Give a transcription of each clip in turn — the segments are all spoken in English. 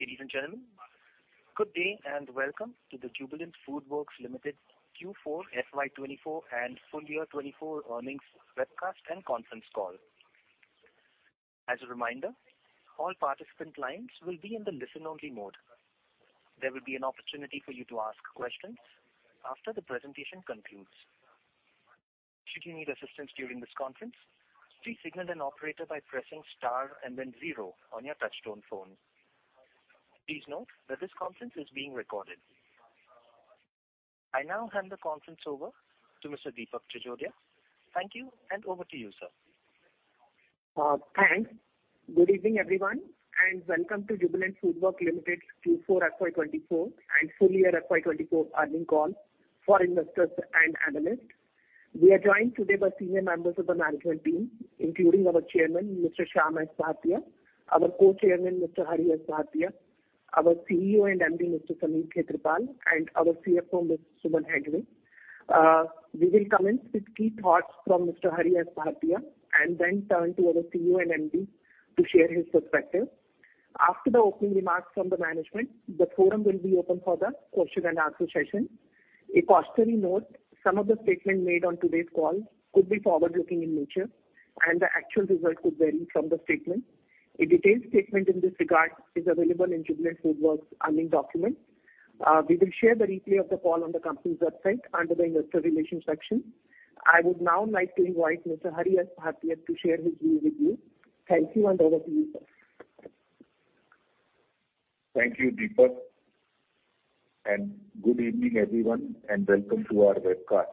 Ladies and gentlemen, good day, and welcome to the Jubilant FoodWorks Limited Q4 FY 2024 and Full Year 2024 earnings webcast and conference call. As a reminder, all participant lines will be in the listen-only mode. There will be an opportunity for you to ask questions after the presentation concludes. Should you need assistance during this conference, please signal an operator by pressing star and then zero on your touchtone phone. Please note that this conference is being recorded. I now hand the conference over to Mr. Deepak Jajodia. Thank you, and over to you, sir. Thanks. Good evening, everyone, and welcome to Jubilant FoodWorks Limited Q4 FY 2024 and Full Year FY 2024 earnings call for investors and analysts. We are joined today by senior members of the management team, including our Chairman, Mr. Shyam S. Bhartia, our Co-chairman, Mr. Hari S. Bhartia, our CEO and MD, Mr. Sameer Khetarpal, and our CFO, Ms. Suman Hegde. We will commence with key thoughts from Mr. Hari S. Bhartia and then turn to our CEO and MD to share his perspective. After the opening remarks from the management, the forum will be open for the question and answer session. A cautionary note, some of the statements made on today's call could be forward-looking in nature, and the actual results could vary from the statement. A detailed statement in this regard is available in Jubilant FoodWorks' earnings document. We will share the replay of the call on the company's website under the Investor Relations section. I would now like to invite Mr. Hari S. Bhartia to share his view with you. Thank you, and over to you, sir. Thank you, Deepak, and good evening, everyone, and welcome to our webcast.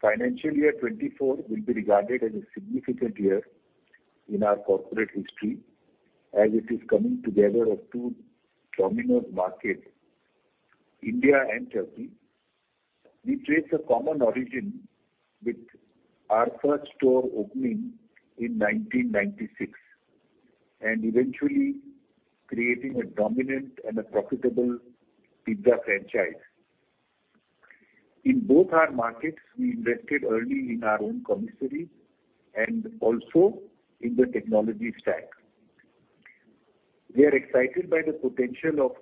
Financial year 2024 will be regarded as a significant year in our corporate history as it is coming together of two Domino's markets, India and Turkey. We trace a common origin with our first store opening in 1996, and eventually creating a dominant and a profitable pizza franchise. In both our markets, we invested early in our own commissary and also in the technology stack. We are excited by the potential of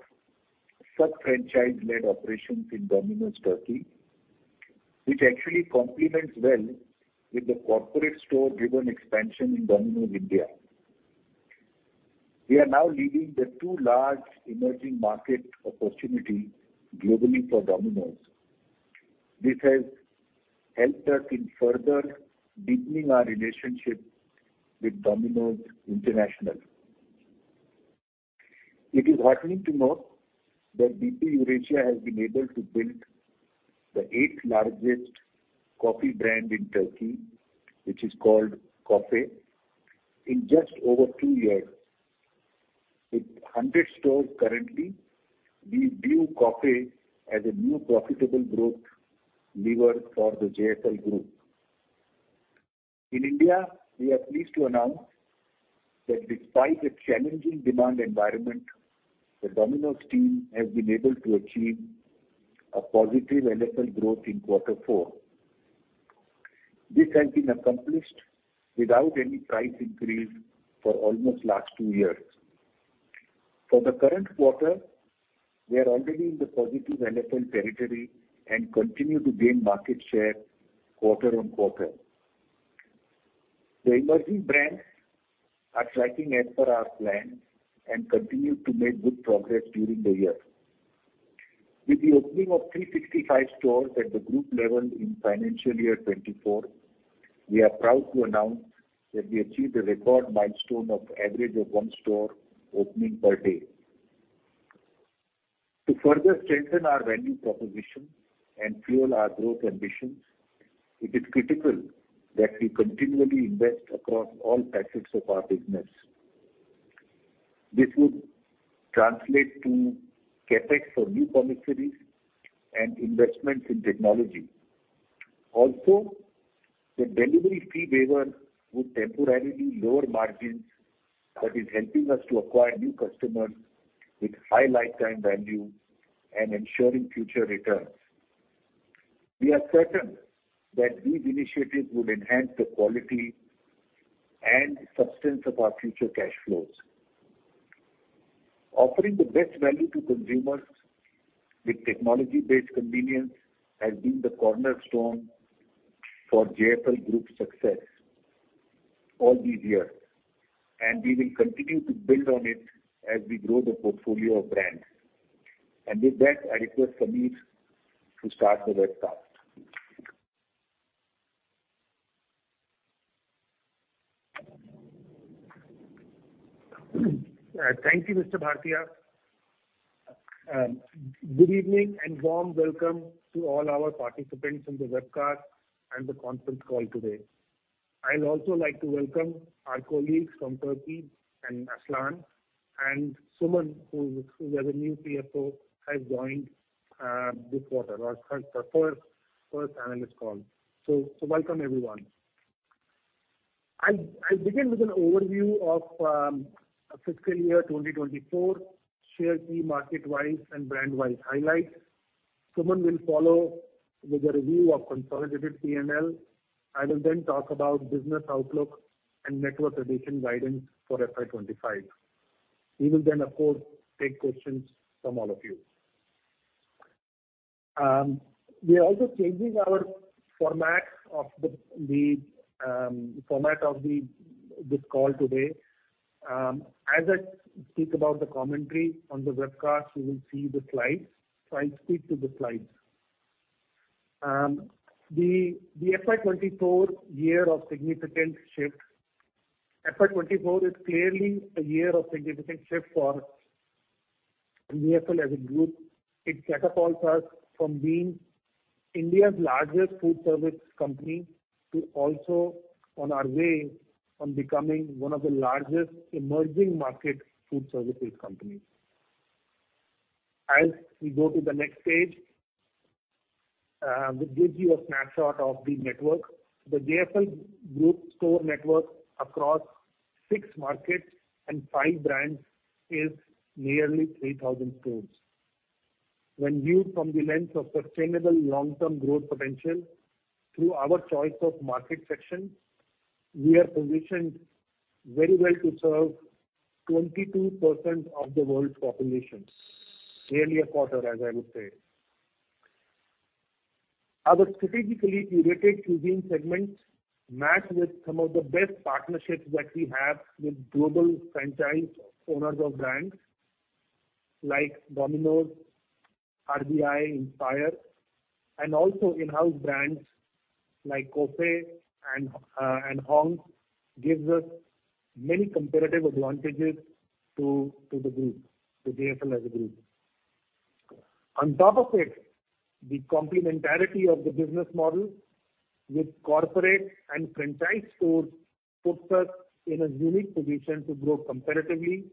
sub-franchise-led operations in Domino's Turkey, which actually complements well with the corporate store-driven expansion in Domino's India. We are now leading the two large emerging market opportunity globally for Domino's. This has helped us in further deepening our relationship with Domino's International. It is heartening to note that DP Eurasia has been able to build the eighth-largest coffee brand in Turkey, which is called COFFY, in just over two years. With 100 stores currently, we view COFFY as a new profitable growth lever for the JFL group. In India, we are pleased to announce that despite the challenging demand environment, the Domino's team has been able to achieve a positive LFL growth in quarter four. This has been accomplished without any price increase for almost last two years. For the current quarter, we are already in the positive LFL territory and continue to gain market share quarter-over-quarter. The emerging brands are tracking as per our plan and continue to make good progress during the year. With the opening of 365 stores at the group level in financial year 2024, we are proud to announce that we achieved a record milestone of average of one store opening per day. To further strengthen our value proposition and fuel our growth ambitions, it is critical that we continually invest across all facets of our business. This would translate to CapEx for new commissaries and investments in technology. Also, the delivery fee waiver would temporarily lower margins, but is helping us to acquire new customers with high lifetime value and ensuring future returns. We are certain that these initiatives would enhance the quality and substance of our future cash flows. Offering the best value to consumers with technology-based convenience has been the cornerstone for JFL Group's success all these years, and we will continue to build on it as we grow the portfolio of brands. With that, I request Sameer to start the webcast. Thank you, Mr. Bhartia. Good evening, and warm welcome to all our participants in the webcast and the conference call today. I'd also like to welcome our colleagues from Turkey and Aslan and Suman, who as a new CFO, has joined this quarter, our first analyst call. So welcome, everyone. I'll begin with an overview of fiscal year 2024, share the market-wise and brand-wise highlights. Suman will follow with a review of consolidated P&L. I will then talk about business outlook and network addition guidance for FY 2025. We will then, of course, take questions from all of you. We are also changing our format of the format of this call today. As I speak about the commentary on the webcast, you will see the slides. So I'll speak to the slides. The FY 2024 year of significant shift. FY 2024 is clearly a year of significant shift for DFL as a group. It catapults us from being India's largest food service company, to also on our way on becoming one of the largest emerging market food services company. As we go to the next page, which gives you a snapshot of the network. The DFL group store network across six markets and five brands is nearly 3,000 stores. When viewed from the lens of sustainable long-term growth potential through our choice of market section, we are positioned very well to serve 22% of the world's population. Nearly a quarter, as I would say. Our strategically curated cuisine segments match with some of the best partnerships that we have with global franchise owners of brands like Domino's, RBI, Inspire, and also in-house brands like COFFY and Hong's Kitchen, gives us many competitive advantages to, to the group, to DFL as a group. On top of it, the complementarity of the business model with corporate and franchise stores, puts us in a unique position to grow competitively,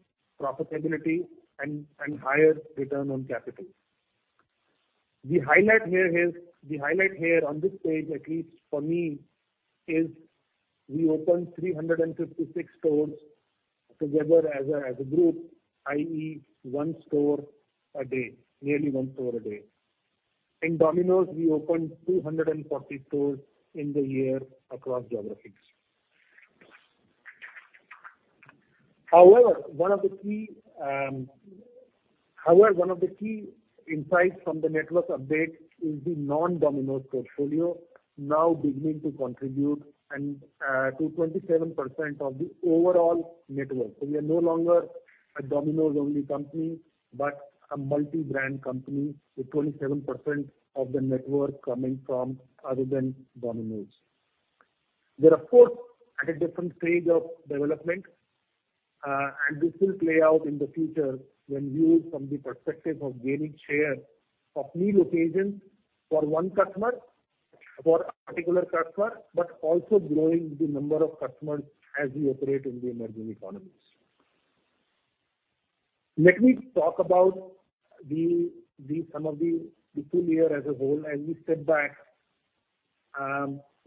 profitability and, and higher return on capital. The highlight here on this page, at least for me, is we opened 356 stores together as a, as a group, i.e., one store a day, nearly one store a day. In Domino's, we opened 240 stores in the year across geographies. However, one of the key insights from the network update is the non-Domino's portfolio now beginning to contribute and to 27% of the overall network. So we are no longer a Domino's only company, but a multi-brand company, with 27% of the network coming from other than Domino's. They are, of course, at a different stage of development, and this will play out in the future when viewed from the perspective of gaining share of new locations for one customer, for a particular customer, but also growing the number of customers as we operate in the emerging economies. Let me talk about some of the full year as a whole. As we step back,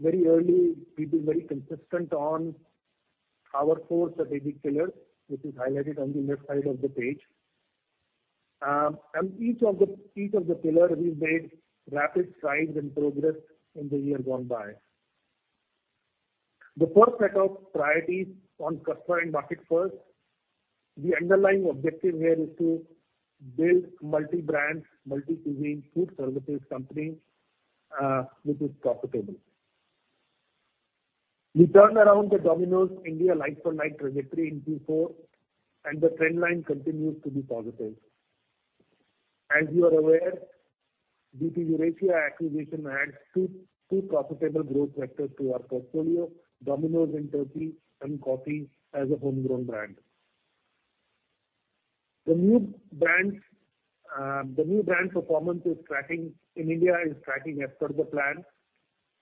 very early, we've been very consistent on our four strategic pillars, which is highlighted on the left side of the page. Each of the, each of the pillar, we've made rapid strides and progress in the year gone by. The first set of priorities on customer and market first. The underlying objective here is to build multi-brand, multi-cuisine, food services company, which is profitable. We turn around the Domino's India like-for-like trajectory in Q4, and the trend line continues to be positive. As you are aware, DP Eurasia acquisition adds two, two profitable growth vectors to our portfolio, Domino's in Turkey and COFFY as a homegrown brand. The new brands, the new brand performance is tracking in India, is tracking as per the plan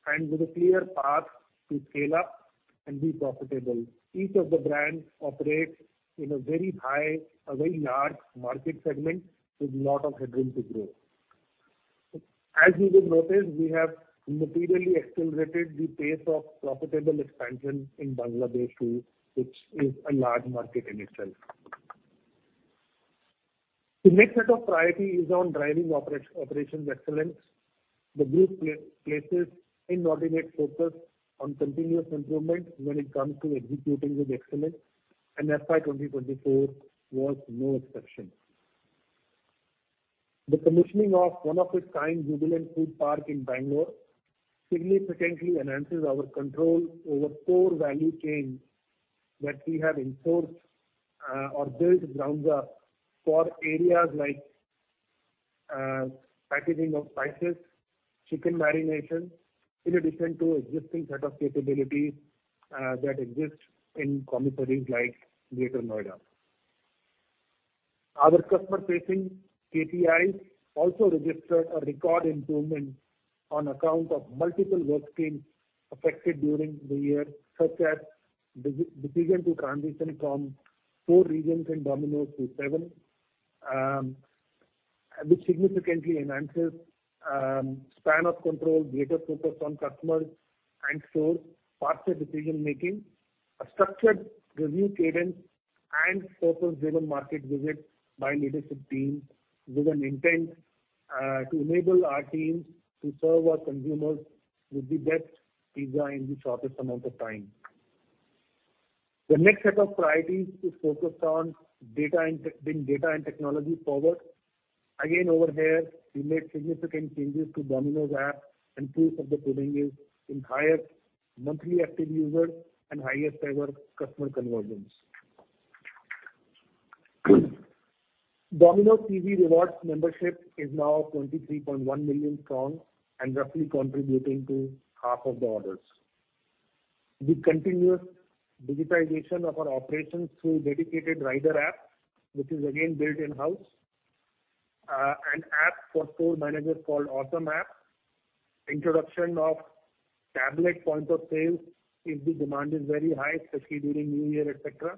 and with a clear path to scale up and be profitable. Each of the brands operates in a very high, a very large market segment, with a lot of headroom to grow. As you would notice, we have materially accelerated the pace of profitable expansion in Bangladesh, too, which is a large market in itself. The next set of priority is on driving operations excellence. The group places inordinate focus on continuous improvement when it comes to executing with excellence, and FY 2024 was no exception. The commissioning of one of its kind Jubilant Food Park in Bangalore significantly enhances our control over core value chains that we have sourced or built grounds up for areas like packaging of spices, chicken marination, in addition to existing set of capabilities that exist in commissaries like Greater Noida. Our customer-facing KPIs also registered a record improvement on account of multiple work streams affected during the year, such as decision to transition from four regions in Domino's to seven, which significantly enhances span of control, greater focus on customers and stores, faster decision-making, a structured review cadence and purpose-driven market visit by leadership team, with an intent to enable our teams to serve our consumers with the best pizza in the shortest amount of time. The next set of priorities is focused on data and tech, being data and technology forward. Again, over here, we made significant changes to Domino's app, and proof of the pudding is in higher monthly active users and highest ever customer conversions. Domino's DP Rewards membership is now 23.1 million strong, and roughly contributing to half of the orders. The continuous digitization of our operations through dedicated rider app, which is again built in-house, an app for store managers called OrderApp, introduction of tablet point of sale if the demand is very high, especially during New Year, et cetera.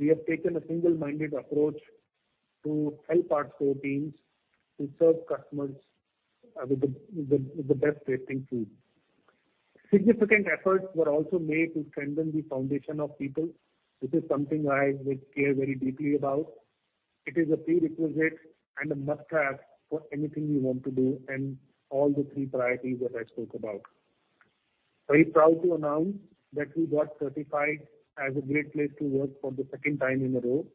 We have taken a single-minded approach to help our store teams to serve customers with the best tasting food. Significant efforts were also made to strengthen the foundation of people, this is something I would care very deeply about. It is a prerequisite and a must-have for anything we want to do, and all the three priorities that I spoke about. Very proud to announce that we got certified as a great place to work for the second time in a row.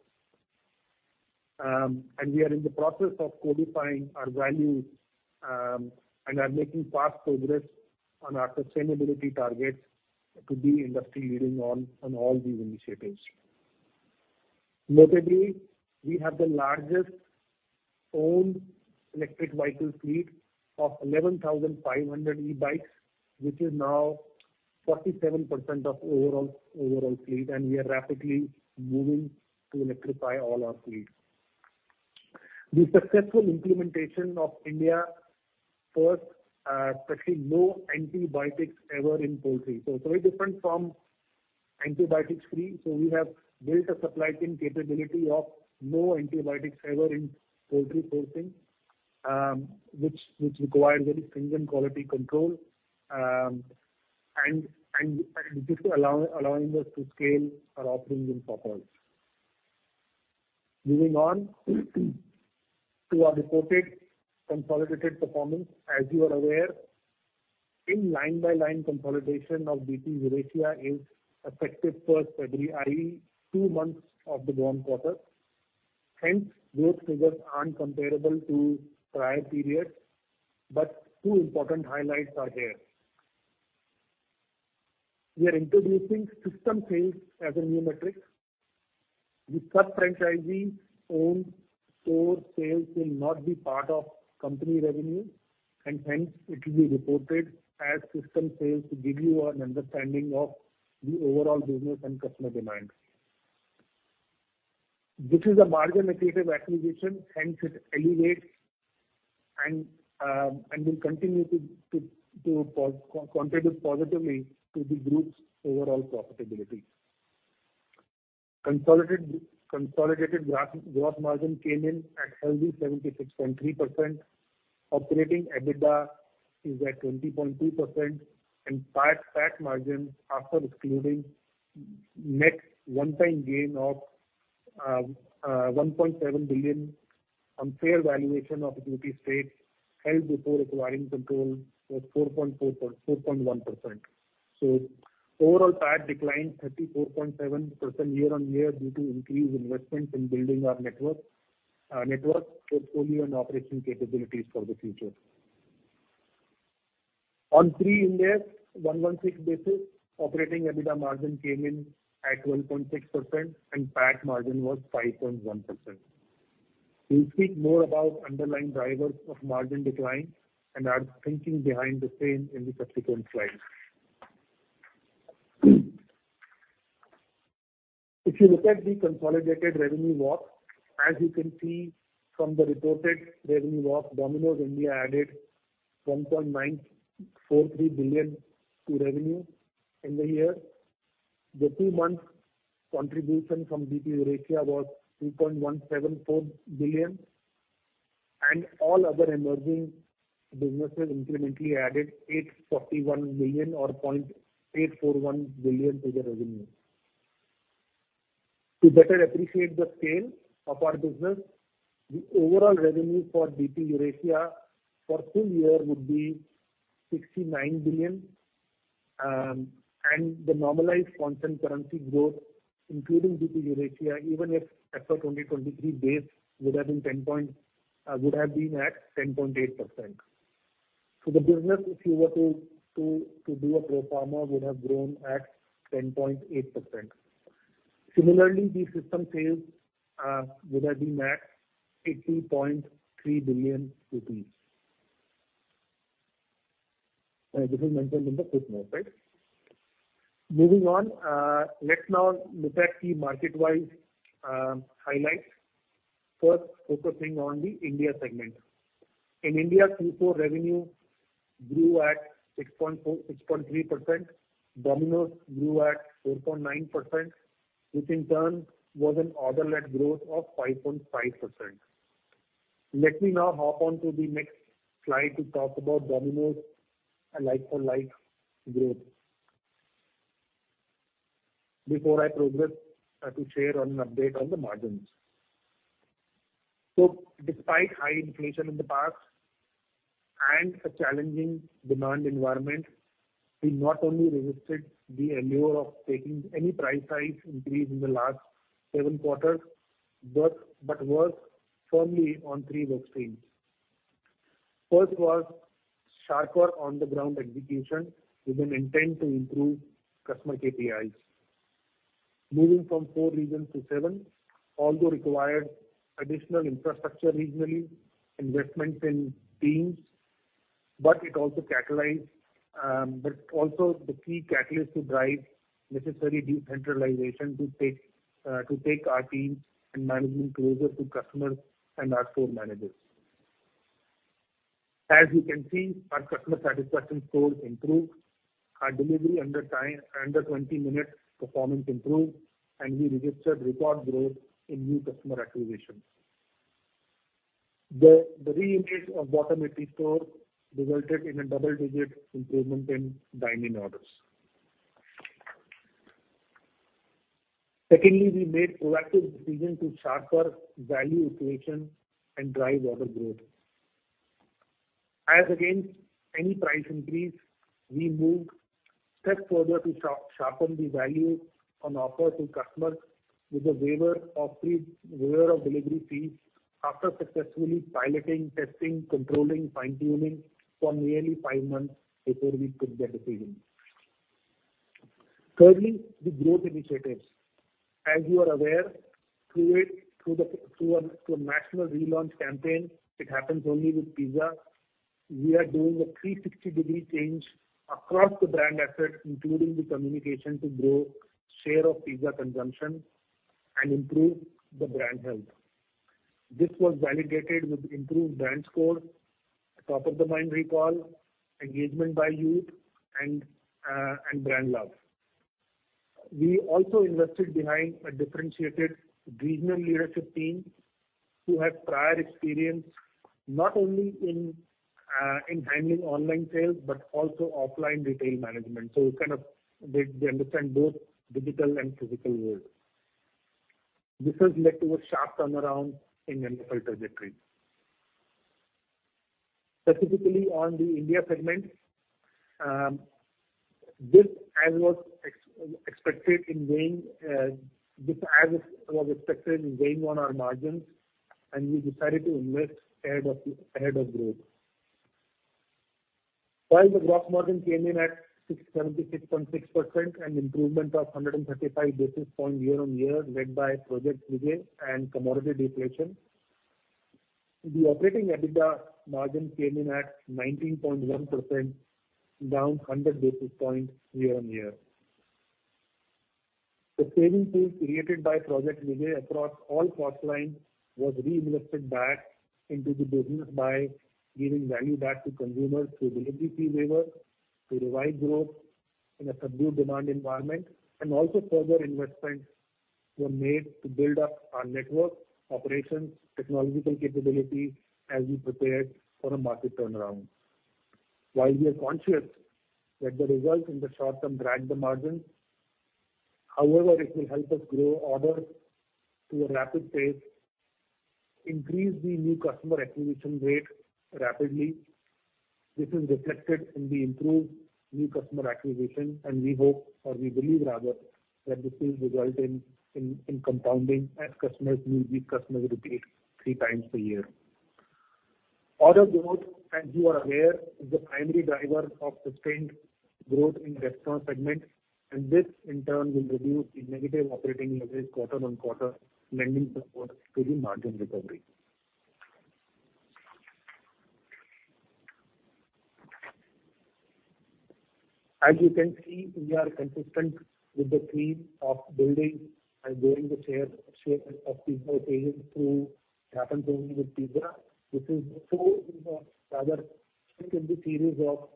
And we are in the process of codifying our values, and are making fast progress on our sustainability targets to be industry-leading on all these initiatives. Notably, we have the largest owned electric vehicle fleet of 11,500 e-bikes, which is now 47% of overall fleet, and we are rapidly moving to electrify all our fleet. The successful implementation of India first, especially no antibiotics ever in poultry. So it's very different from antibiotics free. So we have built a supply chain capability of no antibiotics ever in poultry sourcing, which requires very stringent quality control, and this allowing us to scale our offerings in proper. Moving on to our reported consolidated performance. As you are aware, in line by line consolidation of DP Eurasia is effective first February, i.e., two months of the current quarter. Hence, growth figures aren't comparable to prior periods, but two important highlights are here. We are introducing system sales as a new metric. The sub-franchisee owned store sales will not be part of company revenue, and hence it will be reported as system sales to give you an understanding of the overall business and customer demand. This is a margin-accretive acquisition, hence it elevates and will continue to contribute positively to the group's overall profitability. Consolidated gross margin came in at healthy 76.3%. Operating EBITDA is at 20.2%, and PAT margin, after excluding net one-time gain of 1.7 billion on fair valuation of equity stakes held before acquiring control was 4.1%. So overall, PAT declined 34.7% year-over-year, due to increased investments in building our network, network portfolio and operating capabilities for the future. On pre-Ind AS 116 basis, operating EBITDA margin came in at 1.6%, and PAT margin was 5.1%. We'll speak more about underlying drivers of margin decline and our thinking behind the same in the subsequent slides. If you look at the consolidated revenue walk, as you can see from the reported revenue walk, Domino's India added 1.943 billion to revenue in the year. The two months contribution from DP Eurasia was 2.174 billion, and all other emerging businesses incrementally added 841 million or 0.841 billion to the revenue. To better appreciate the scale of our business, the overall revenue for DP Eurasia for full year would be 69 billion, and the normalized constant currency growth, including DP Eurasia, even if FY 2023 base would have been ten point eight percent. So the business, if you were to, to, to do a pro forma, would have grown at 10.8%. Similarly, the system sales would have been at 80.3 billion rupees. This is mentioned in the quick note, right? Moving on, let's now look at the market-wide highlights, first focusing on the India segment. In India, Q4 revenue grew at 6.3%. Domino's grew at 4.9%, which in turn was an order lead growth of 5.5%. Let me now hop on to the next slide to talk about Domino's and like-for-like growth, before I progress to share an update on the margins. So despite high inflation in the past and a challenging demand environment, we not only resisted the allure of taking any price rise increase in the last seven quarters, but worked firmly on three work streams. First was sharper on the ground execution, with an intent to improve customer KPIs. Moving from four regions to seven, although required additional infrastructure regionally, investment in teams, but it also catalyzed but also the key catalyst to drive necessary decentralization to take our teams and management closer to customers and our store managers. As you can see, our customer satisfaction scores improved, our delivery under time, under 20 minutes, performance improved, and we registered record growth in new customer acquisition. The re-increase of bottom AP score resulted in a double-digit improvement in dine-in orders. Secondly, we made proactive decisions to sharper value equation and drive order growth. As against any price increase, we moved step further to sharpen the value on offer to customers, with the waiver of delivery fees, after successfully piloting, testing, controlling, fine-tuning for nearly five months before we took that decision. Thirdly, the growth initiatives. As you are aware, through a national relaunch campaign, It Happens Only with Pizza, we are doing a 360-degree change across the brand assets, including the communication to grow share of pizza consumption and improve the brand health. This was validated with improved brand score, top of the mind recall, engagement by youth, and and brand love. We also invested behind a differentiated regional leadership team, who have prior experience, not only in in handling online sales, but also offline retail management. So kind of they understand both digital and physical world. This has led to a sharp turnaround in the overall trajectory. Specifically on the India segment, this as was expected in gain on our margins, and we decided to invest ahead of growth. While the gross margin came in at 676.6%, an improvement of 135 basis points year-on-year, led by Project Vijay and commodity deflation, the operating EBITDA margin came in at 19.1%, down 100 basis points year-on-year. The savings created by Project Vijay across all cost lines was reinvested back into the business by giving value back to consumers through delivery fee waiver, to revive growth in a subdued demand environment, and also further investments were made to build up our network, operations, technological capability, as we prepared for a market turnaround. While we are conscious that the results in the short term drag the margins, however, it will help us grow orders to a rapid pace, increase the new customer acquisition rate rapidly. This is reflected in the improved new customer acquisition, and we hope, or we believe rather, that this will result in compounding as customers will be customers repeat three times a year. Order growth, as you are aware, is the primary driver of sustained growth in restaurant segment, and this in turn will reduce the negative operating leverage quarter on quarter, lending support to the margin recovery. As you can see, we are consistent with the theme of building and growing the share, share of pizza occasion through It Happens Only with Pizza. This is so, rather, it is a series of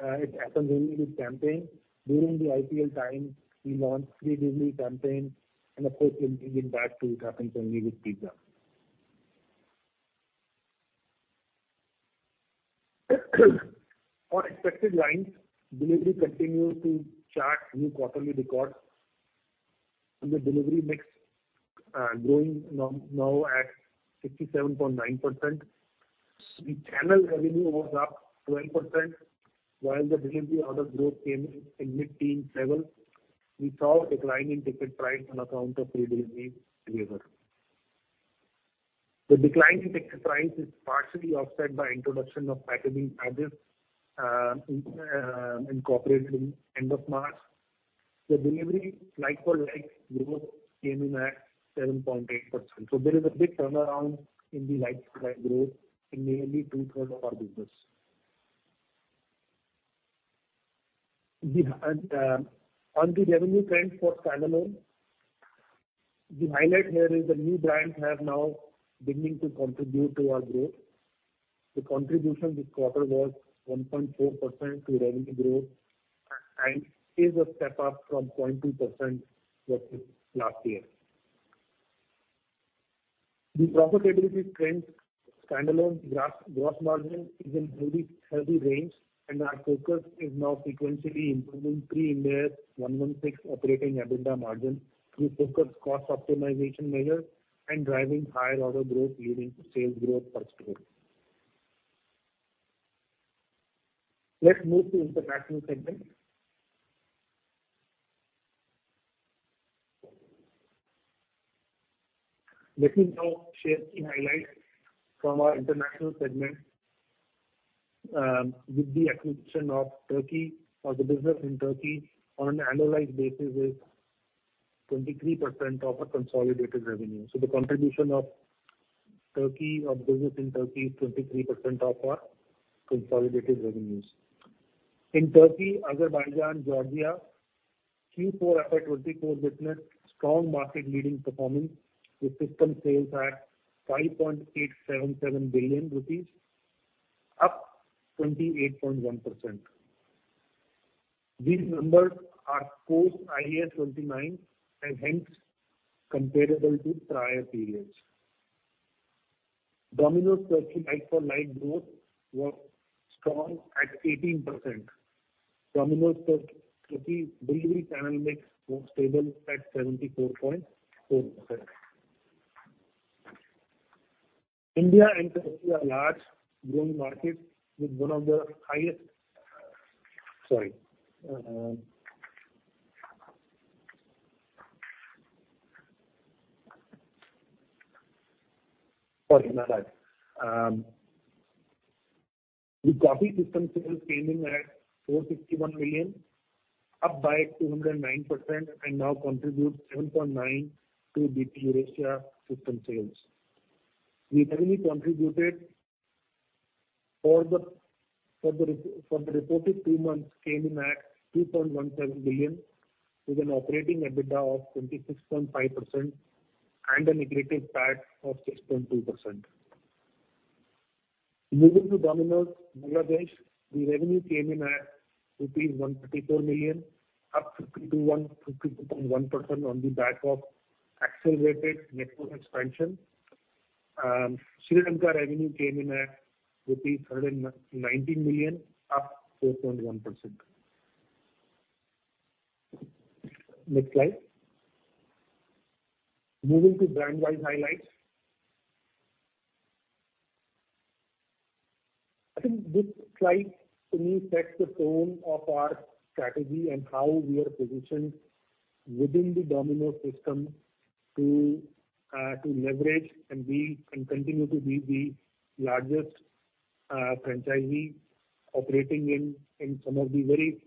It Happens Only with campaign. During the IPL time, we launched free delivery campaign and of course, we'll be back to It Happens Only with Pizza. On expected lines, delivery continued to chart new quarterly records, and the delivery mix growing now at 67.9%. The channel revenue was up 12%, while the delivery order growth came in mid-teens level. We saw a decline in ticket price on account of free delivery waiver. The decline in ticket price is partially offset by introduction of packaging charges, incorporated in end of March. The delivery like-for-like growth came in at 7.8%. So there is a big turnaround in the like-for-like growth in nearly two-thirds of our business. On the revenue trend for standalone, the highlight here is the new brands have now beginning to contribute to our growth. The contribution this quarter was 1.4% to revenue growth, and is a step up from 0.2% with last year. The profitability trends, standalone gross, gross margin is in healthy, healthy range, and our focus is now sequentially improving pre-Ind AS 116 operating EBITDA margin through focused cost optimization measures and driving higher order growth leading to sales growth per store. Let's move to international segment. Let me now share key highlights from our international segment. With the acquisition of Turkey, or the business in Turkey, on an annualized basis is 23% of our consolidated revenue. So the contribution of Turkey, of business in Turkey, is 23% of our consolidated revenues. In Turkey, Azerbaijan, Georgia, Q4 FY 2024 witnessed strong market-leading performance, with system sales at 5.877 billion rupees, up 28.1%. These numbers are post IAS 29, and hence comparable to prior periods. Domino's Turkey like-for-like growth was strong at 18%. Domino's Turkey delivery channel mix was stable at 74.4%. India and Turkey are large growing markets with one of the highest- The Coffee system sales came in at 461 million, up 209% and now contributes 7.9% to DP Eurasia system sales. The revenue contributed for the reported two months came in at 2.17 billion, with an operating EBITDA of 26.5% and a negative PAT of -6.2%. Moving to Domino's Bangladesh, the revenue came in at rupees 134 million, up 52.1% on the back of accelerated network expansion. Sri Lanka revenue came in at rupees 119 million, up 4.1%. Next slide. Moving to brand-wide highlights. I think this slide, to me, sets the tone of our strategy and how we are positioned within the Domino's system to to leverage and be, and continue to be the largest franchisee operating in in some of the very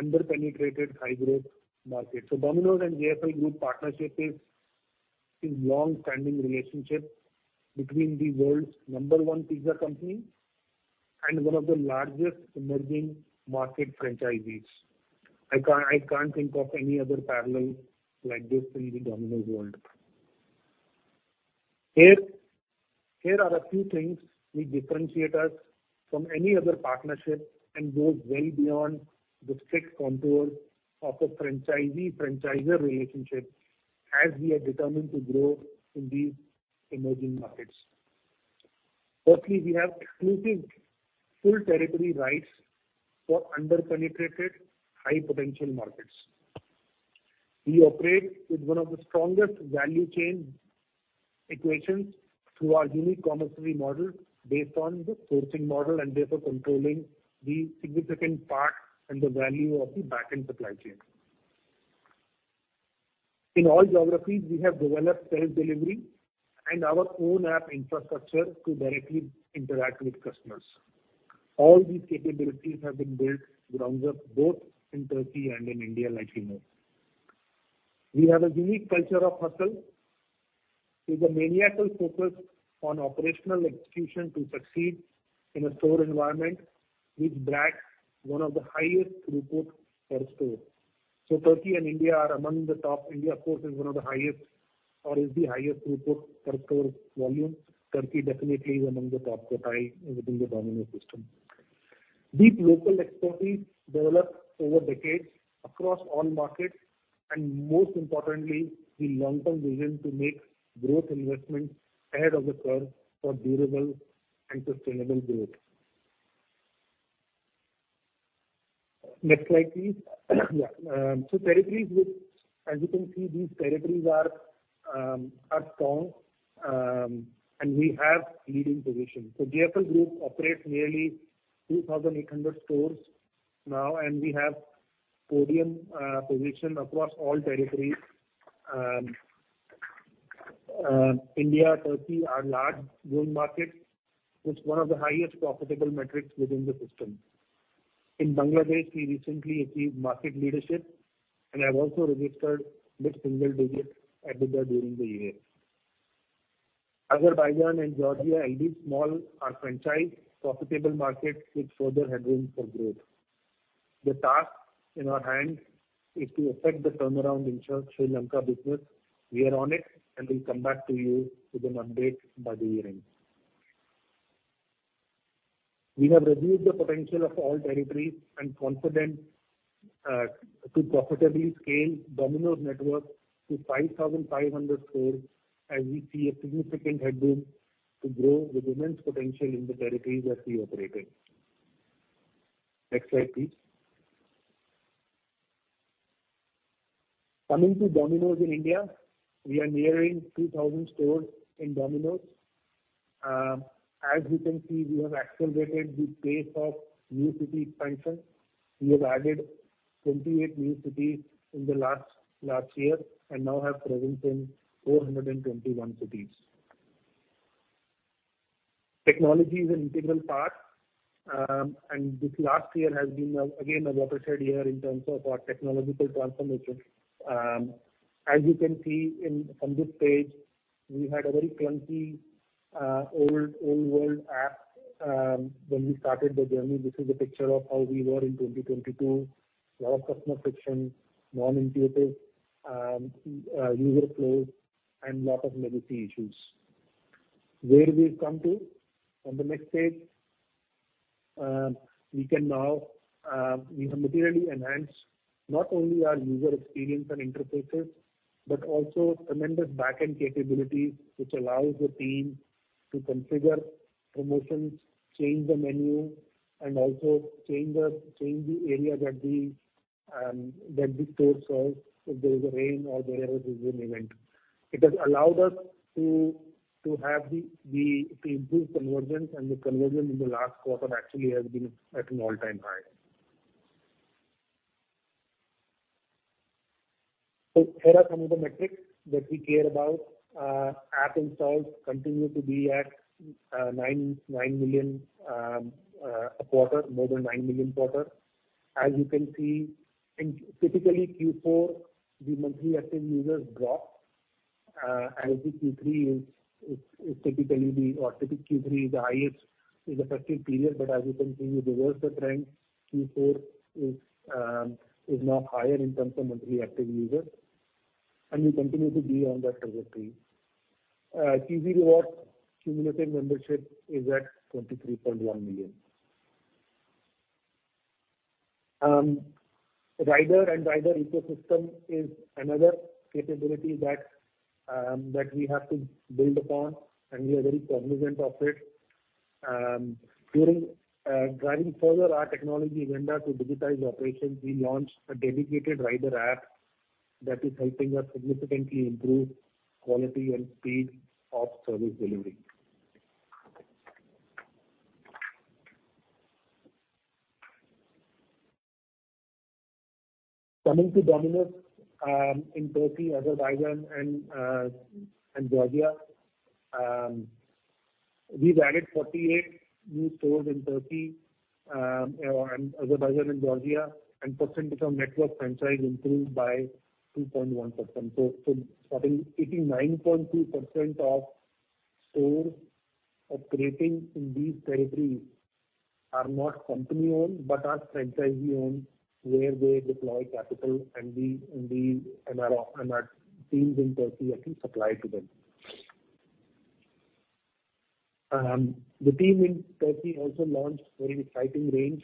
under-penetrated high-growth markets. So Domino's and JFL Group partnership is a long-standing relationship between the world's number one pizza company and one of the largest emerging market franchisees. I can't think of any other parallel like this in the Domino's world. Here are a few things which differentiate us from any other partnership and goes well beyond the strict contours of a franchisee-franchisor relationship, as we are determined to grow in these emerging markets. Firstly, we have exclusive full territory rights for under-penetrated, high-potential markets. We operate with one of the strongest value chain equations through our unique commissary model based on the sourcing model, and therefore controlling the significant part and the value of the back-end supply chain. In all geographies, we have developed self-delivery and our own app infrastructure to directly interact with customers. All these capabilities have been built ground up, both in Turkey and in India, like you know. We have a unique culture of hustle with a maniacal focus on operational execution to succeed in a store environment, which drives one of the highest throughput per store. So Turkey and India are among the top. India, of course, is one of the highest or is the highest throughput per store volume. Turkey definitely is among the top quartile within the Domino's system. Deep local expertise developed over decades across all markets, and most importantly, the long-term vision to make growth investments ahead of the curve for durable and sustainable growth. Next slide, please. As you can see, these territories are strong, and we have leading position. So JFL Group operates nearly 2,800 stores now, and we have podium position across all territories. India, Turkey are large growth markets with one of the highest profitable metrics within the system. In Bangladesh, we recently achieved market leadership and have also registered mid-single digit EBITDA during the year. Azerbaijan and Georgia, albeit small, are franchise profitable markets with further headroom for growth.... The task in our hands is to effect the turnaround in Sri Lanka business. We are on it, and we'll come back to you with an update by the year-end. We have reviewed the potential of all territories and confident to profitably scale Domino's network to 5,500 stores, as we see a significant headroom to grow the immense potential in the territories that we operate in. Next slide, please. Coming to Domino's in India, we are nearing 2,000 stores in Domino's. As you can see, we have accelerated the pace of new city expansion. We have added 28 new cities in the last year, and now have presence in 421 cities. Technology is an integral part, and this last year has been, again, a watershed year in terms of our technological transformation. As you can see on this page, we had a very clunky, old, old world app, when we started the journey. This is a picture of how we were in 2022. A lot of customer friction, non-intuitive user flows, and lot of latency issues. Where we've come to, on the next page, we can now, we have materially enhanced not only our user experience and interfaces, but also tremendous backend capabilities, which allows the team to configure promotions, change the menu, and also change the, change the area that the, that the store serves if there is a rain or there is a rain event. It has allowed us to, to have the, the improved conversions, and the conversion in the last quarter actually has been at an all-time high. So here are some of the metrics that we care about. App installs continue to be at 9.9 million a quarter, more than 9 million a quarter. As you can see, in typically Q4, the monthly active users drop, as the Q3 is typically the or typically Q3 is the highest effective period. But as you can see, we reverse the trend. Q4 is now higher in terms of monthly active users, and we continue to be on that trajectory. Cheesy Rewards cumulative membership is at 23.1 million. Rider and rider ecosystem is another capability that we have to build upon, and we are very cognizant of it. During driving further our technology agenda to digitize operations, we launched a dedicated rider app that is helping us significantly improve quality and speed of service delivery. Coming to Domino's in Turkey, Azerbaijan, and Georgia. We've added 48 new stores in Turkey and Azerbaijan and Georgia, and percentage of network franchise improved by 2.1%. So starting 89.2% of stores operating in these territories are not company-owned, but are franchisee-owned, where they deploy capital and our teams in Turkey actually supply to them. The team in Turkey also launched very exciting range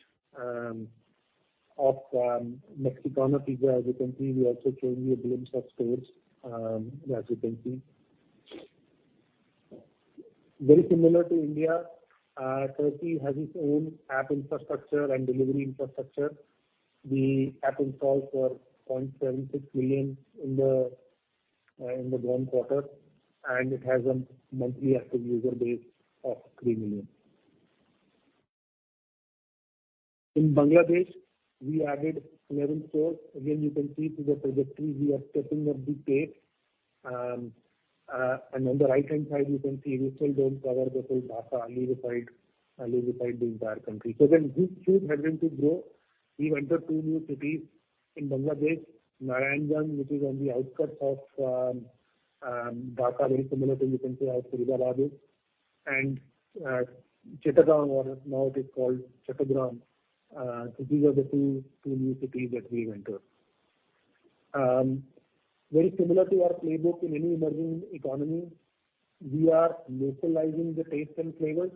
of Mexicano Pizza. As you can see, we also showed you a glimpse of stores, as you can see. Very similar to India, Turkey has its own app infrastructure and delivery infrastructure. The app installs were 0.76 million in the one quarter, and it has a monthly active user base of three million. In Bangladesh, we added 11 stores. Again, you can see through the trajectory, we are stepping up the pace. And on the right-hand side, you can see we still don't cover the whole Dhaka, only we find, only we find the entire country. So then this year we are going to grow. We entered two new cities in Bangladesh, Mymensingh, which is on the outskirts of Dhaka. Very similarly, you can say how Faridabad is, and Chittagong, or now it is called Chattogram. So these are the two new cities that we entered. Very similar to our playbook in any emerging economy, we are localizing the taste and flavors.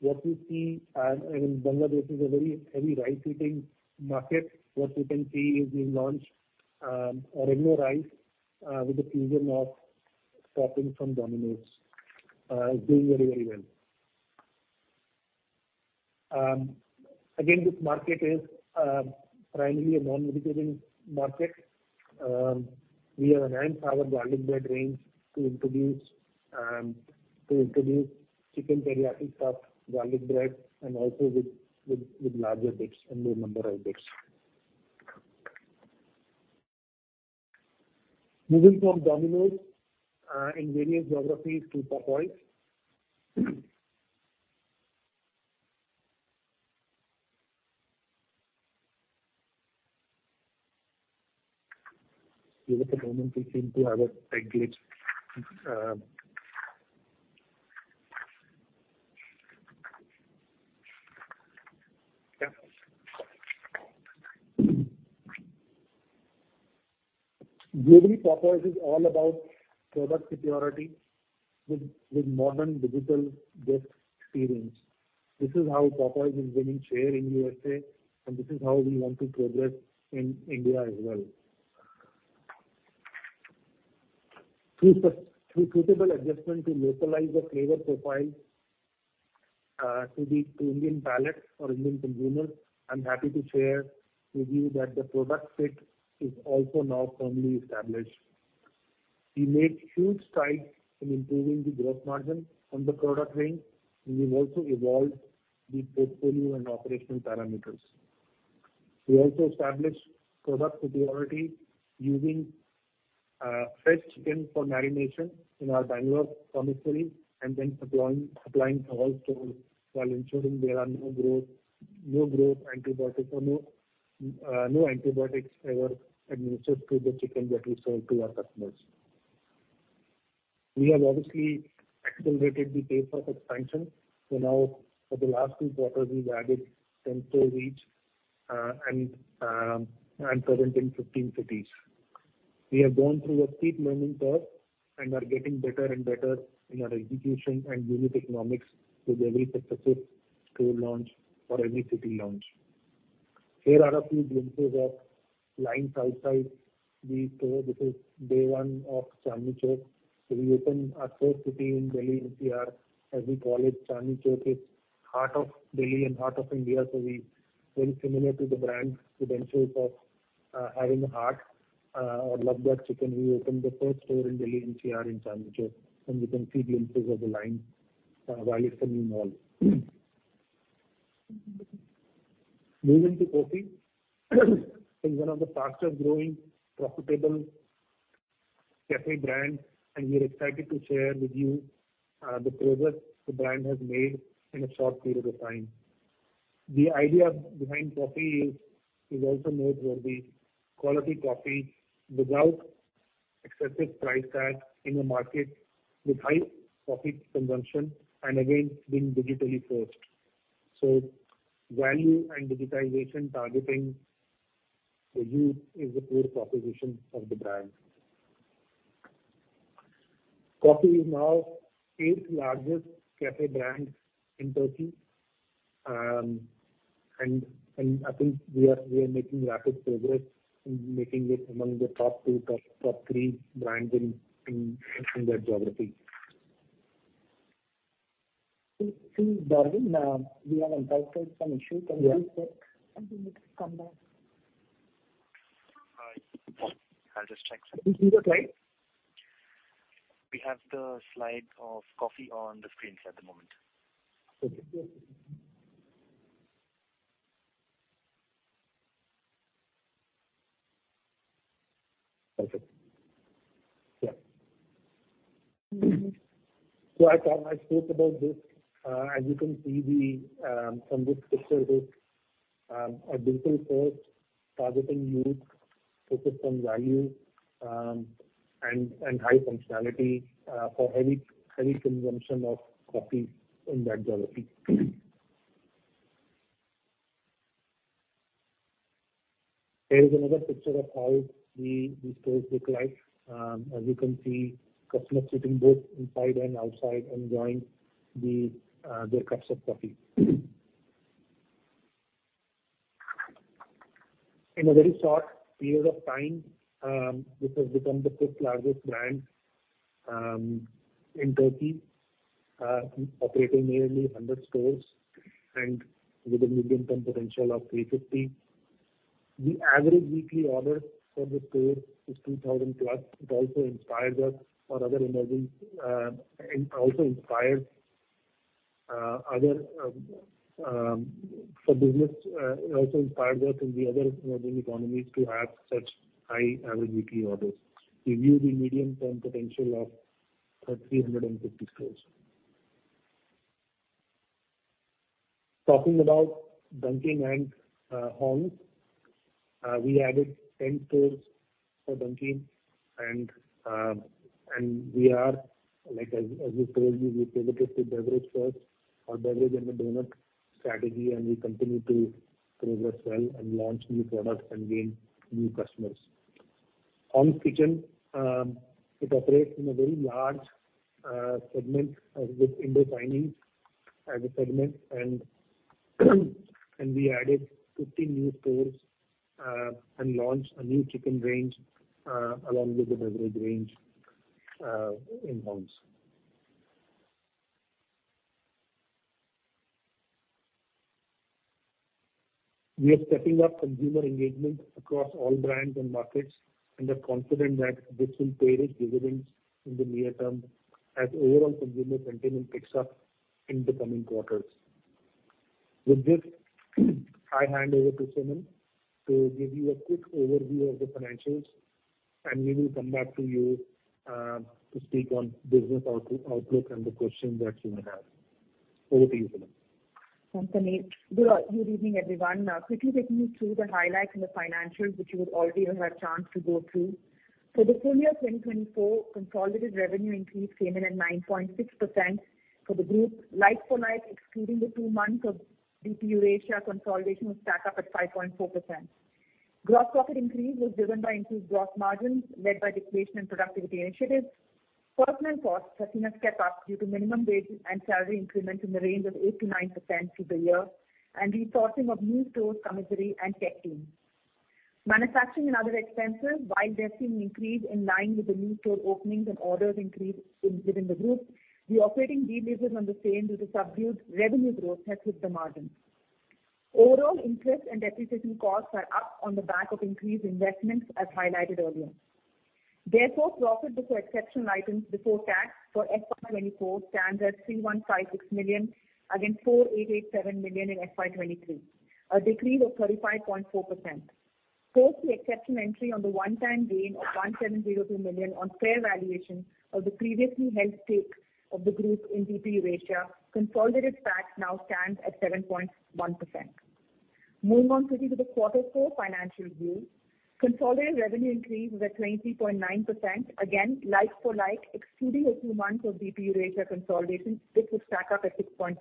What we see in Bangladesh is a very heavy rice eating market. What you can see is we launched Oregano Rice with a fusion of toppings from Domino's. It's doing very, very well. Again, this market is primarily a non-vegetarian market. We have enhanced our garlic bread range to introduce Chicken Teriyaki Stuffed Garlic Bread and also with larger bits and more number of bits. Moving from Domino's in various geographies to Popeyes... At the moment, we seem to have a glitch. Yeah. Popeyes is all about product security with modern digital guest experience. This is how Popeyes is winning share in U.S.A, and this is how we want to progress in India as well. Through suitable adjustment to localize the flavor profile, to the Indian palate or Indian consumers, I'm happy to share with you that the product fit is also now firmly established. We made huge strides in improving the gross margin on the product range, and we've also evolved the portfolio and operational parameters. We also established product security using fresh chicken for marination in our Bangalore commissary, and then supplying to all stores while ensuring there are no growth antibiotics or no antibiotics ever administered to the chicken that we sell to our customers. We have obviously accelerated the pace of expansion. So now for the last few quarters, we've added 10 stores each and present in 15 cities. We have gone through a steep learning curve and are getting better and better in our execution and unit economics with every successive store launch or any city launch. Here are a few glimpses of lines outside the store. This is day one of Chandni Chowk. So we opened our first city in Delhi NCR. As we call it, Chandni Chowk is heart of Delhi and heart of India. So we very similar to the brand credentials of, having a heart, or love your chicken. We opened the first store in Delhi NCR in Chandni Chowk, and you can see glimpses of the line, while it's a new mall. Moving to COFFY, is one of the fastest growing, profitable cafe brands, and we are excited to share with you, the progress the brand has made in a short period of time. The idea behind COFFY is also noteworthy. Quality coffee without excessive price tag in a market with high coffee consumption and again, being digitally first. So value and digitization targeting the youth is the clear proposition of the brand. COFFY is now eighth largest cafe brand in Turkey, and I think we are making rapid progress in making it among the top two, top three brands in that geography. Please, Bhavin, we have invited some issues. Yeah. And we need to come back. Hi, I'll just check, sir. Is it okay? We have the slide of COFFY on the screen at the moment. Okay. Yeah. So I thought I spoke about this. As you can see, from this picture, a digital first targeting youth, focused on value, and high functionality, for heavy, heavy consumption of coffee in that geography. Here is another picture of how the stores look like. As you can see, customers sitting both inside and outside enjoying their cups of coffee. In a very short period of time, this has become the fifth largest brand in Turkey, operating nearly 100 stores and with a medium term potential of 350. The average weekly order for the store is 2,000+. It also inspired us for other emerging, and also inspired, other, for business. It also inspired us in the other emerging economies to have such high average weekly orders. We view the medium-term potential of 350 stores. Talking about Dunkin' and Hong's Kitchen, we added 10 stores for Dunkin', and we are like, as we told you, we pivoted to beverage first or beverage and a donut strategy, and we continue to progress well and launch new products and gain new customers. Hong's Kitchen, it operates in a very large segment as with Indo-Chinese as a segment. And we added 50 new stores, and launched a new chicken range, along with the beverage range, in Hong's. We are stepping up consumer engagement across all brands and markets, and are confident that this will pay rich dividends in the near term as overall consumer sentiment picks up in the coming quarters. With this, I hand over to Suman to give you a quick overview of the financials, and we will come back to you, to speak on business outlook and the questions that you may have. Over to you, Suman. ...Good evening, everyone. Quickly taking you through the highlights in the financials, which you would already have had a chance to go through. For the full year 2024, consolidated revenue increase came in at 9.6% for the group. Like-for-like, excluding the two months of DP Eurasia consolidation was stack up at 5.4%. Gross profit increase was driven by increased gross margins, led by deflation and productivity initiatives. Personnel costs have been kept up due to minimum wage and salary increments in the range of 8%-9% through the year, and resourcing of new stores, commissary, and tech teams. Manufacturing and other expenses, while they've seen an increase in line with the new store openings and orders increase within the group, the operating leverage on the same due to subdued revenue growth has hit the margin. Overall, interest and depreciation costs are up on the back of increased investments, as highlighted earlier. Therefore, profit before exceptional items before tax for FY 2024 stands at 3,156 million, against 4,887 million in FY 2023, a decrease of 35.4%. Post the exceptional entry on the one-time gain of 1,702 million on fair valuation of the previously held stake of the group in DP Eurasia, consolidated tax now stands at 7.1%. Moving on quickly to the Quarter Four financial review. Consolidated revenue increase was at 20.9%. Again, like-for-like, excluding a few months of DP Eurasia consolidation, this would stack up at 6.7%.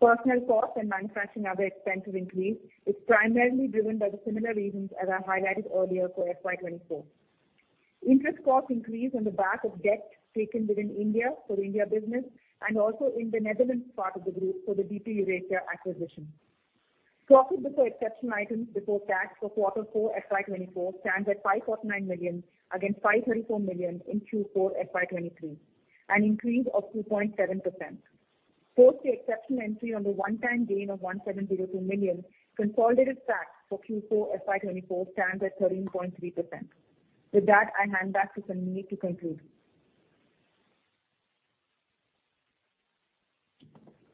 Personnel costs and manufacturing other expenses increase is primarily driven by the similar reasons as I highlighted earlier for FY 2024. Interest costs increase on the back of debt taken within India, for India business, and also in the Netherlands part of the group for the DP Eurasia acquisition. Profit before exceptional items before tax for Q4 FY 2024 stands at 5.9 million, against 534 million in Q4 FY 2023, an increase of 2.7%. Post the exceptional entry on the one-time gain of 1,702 million, consolidated tax for Q4 FY 2024 stands at 13.3%. With that, I hand back to Sameer to conclude.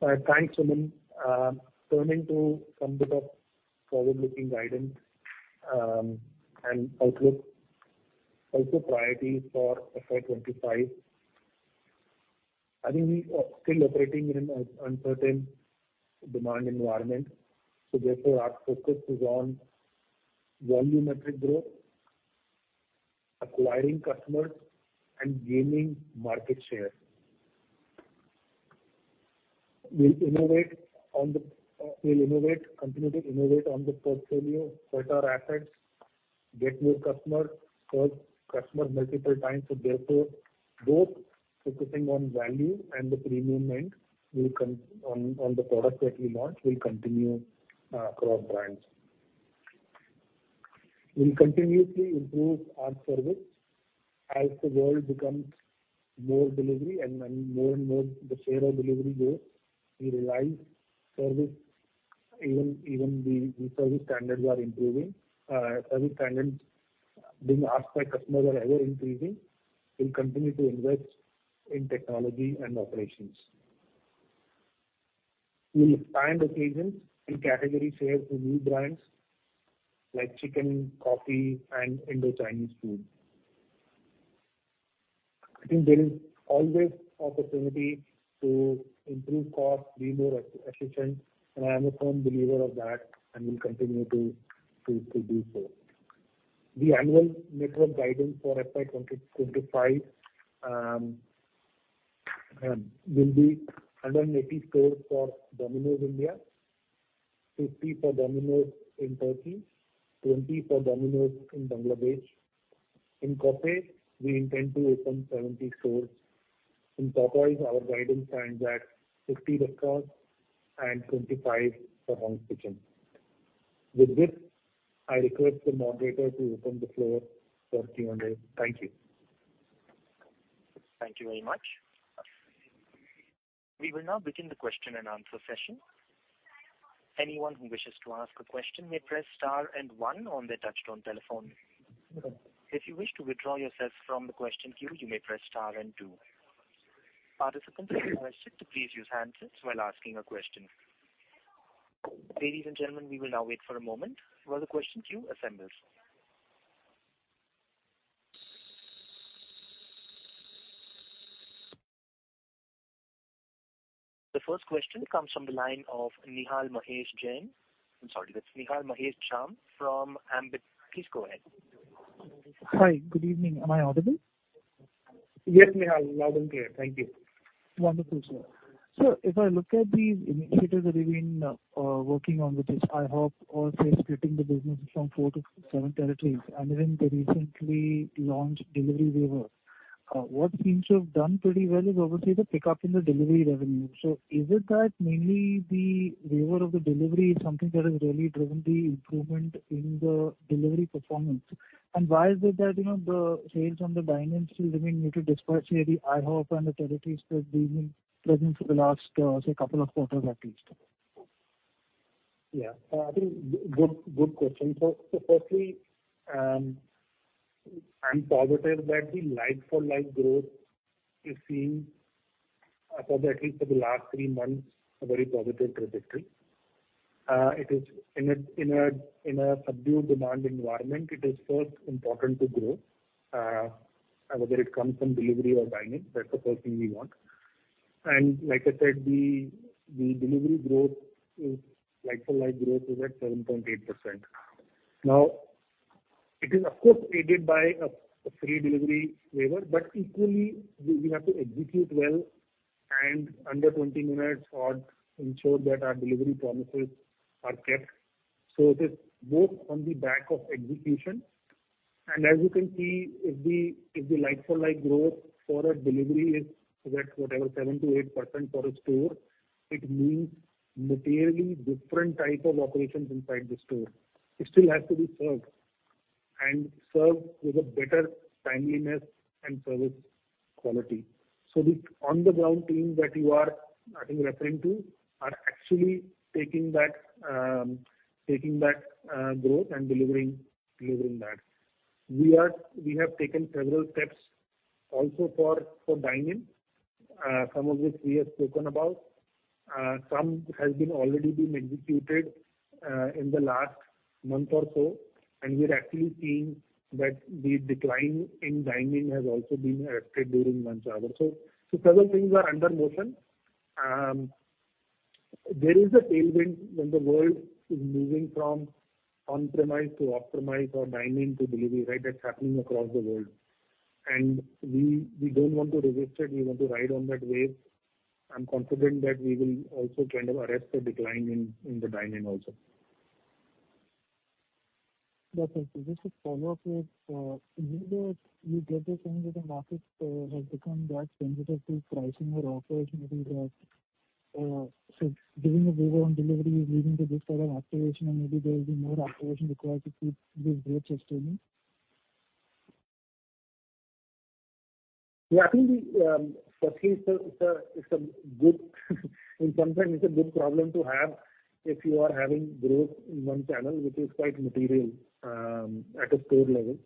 Thanks, Suman. Turning to some bit of forward-looking guidance, and outlook, also priorities for FY 2025. I think we are still operating in an uncertain demand environment, so therefore, our focus is on volumetric growth, acquiring customers, and gaining market share. We'll innovate on the, we'll innovate, continue to innovate on the portfolio, better our assets, get more customers, serve customers multiple times. So therefore, both focusing on value and the premium end will come on, on the product that we launch will continue, across brands. We'll continuously improve our service as the world becomes more delivery and more and more the share of delivery grows, we realize service even the service standards are improving. Service standards being asked by customers are ever-increasing. We'll continue to invest in technology and operations. We'll find occasions in category shares to new brands like chicken, coffee, and Indo-Chinese food. I think there is always opportunity to improve costs, be more efficient, and I am a firm believer of that, and will continue to do so. The annual network guidance for FY 2025 will be 180 stores for Domino's India, 50 for Domino's in Turkey, 20 for Domino's in Bangladesh. In COFFY, we intend to open 70 stores. In Popeyes, our guidance stands at 50 restaurants and 25 for Hong's Kitchen. With this, I request the moderator to open the floor for Q&A. Thank you. Thank you very much. We will now begin the question-and-answer session. Anyone who wishes to ask a question may press star and one on their touchtone telephone. If you wish to withdraw yourself from the question queue, you may press star and two. Participants, please use handsets while asking a question. Ladies and gentlemen, we will now wait for a moment while the question queue assembles. The first question comes from the line of Nihal Mahesh Jham. I'm sorry, that's Nihal Mahesh Jham from Ambit. Please go ahead. Hi, good evening. Am I audible? Yes, Nihal, loud and clear. Thank you. Wonderful, sir. So if I look at the initiatives that you've been working on with this iHop, or say, splitting the businesses from four to seven territories, and even the recently launched delivery waiver. What seems to have done pretty well is obviously the pickup in the delivery revenue. So is it that mainly the waiver of the delivery is something that has really driven the improvement in the delivery performance? And why is it that, you know, the sales on the dining still remain pretty disparate, say, the iHop and the territories that we've been present for the last, say couple of quarters at least? Yeah. I think good, good question. So, firstly, I'm positive that the like-for-like growth is seeing, for at least for the last three months, a very positive trajectory. It is in a subdued demand environment, it is first important to grow, whether it comes from delivery or dine-in, that's the first thing we want. And like I said, the delivery growth is like-for-like growth is at 7.8%. Now, it is of course aided by a free delivery waiver, but equally, we have to execute well and under 20 minutes or ensure that our delivery promises are kept. So it is both on the back of execution. As you can see, if the like-for-like growth for delivery is at whatever, 7%-8% for a store, it means materially different type of operations inside the store. It still has to be served, and served with a better timeliness and service quality. The on-the-ground teams that you are, I think, referring to, are actually taking that growth and delivering that. We have taken several steps also for dine-in, some of which we have spoken about. Some has been already been executed in the last month or so, and we're actually seeing that the decline in dine-in has also been arrested during months over. Several things are under motion. There is a tailwind when the world is moving from on-premise to off-premise or dine-in to delivery, right? That's happening across the world. We don't want to resist it, we want to ride on that wave. I'm confident that we will also kind of arrest the decline in the dine-in also. Okay. Just a follow-up with even though you get the sense that the market has become less sensitive to pricing or operation, maybe that so giving the waiver on delivery is leading to this kind of acceleration, or maybe there will be more acceleration required to keep this growth sustaining? Yeah, I think, firstly, it's a good problem in some sense to have if you are having growth in one channel, which is quite material at a store level.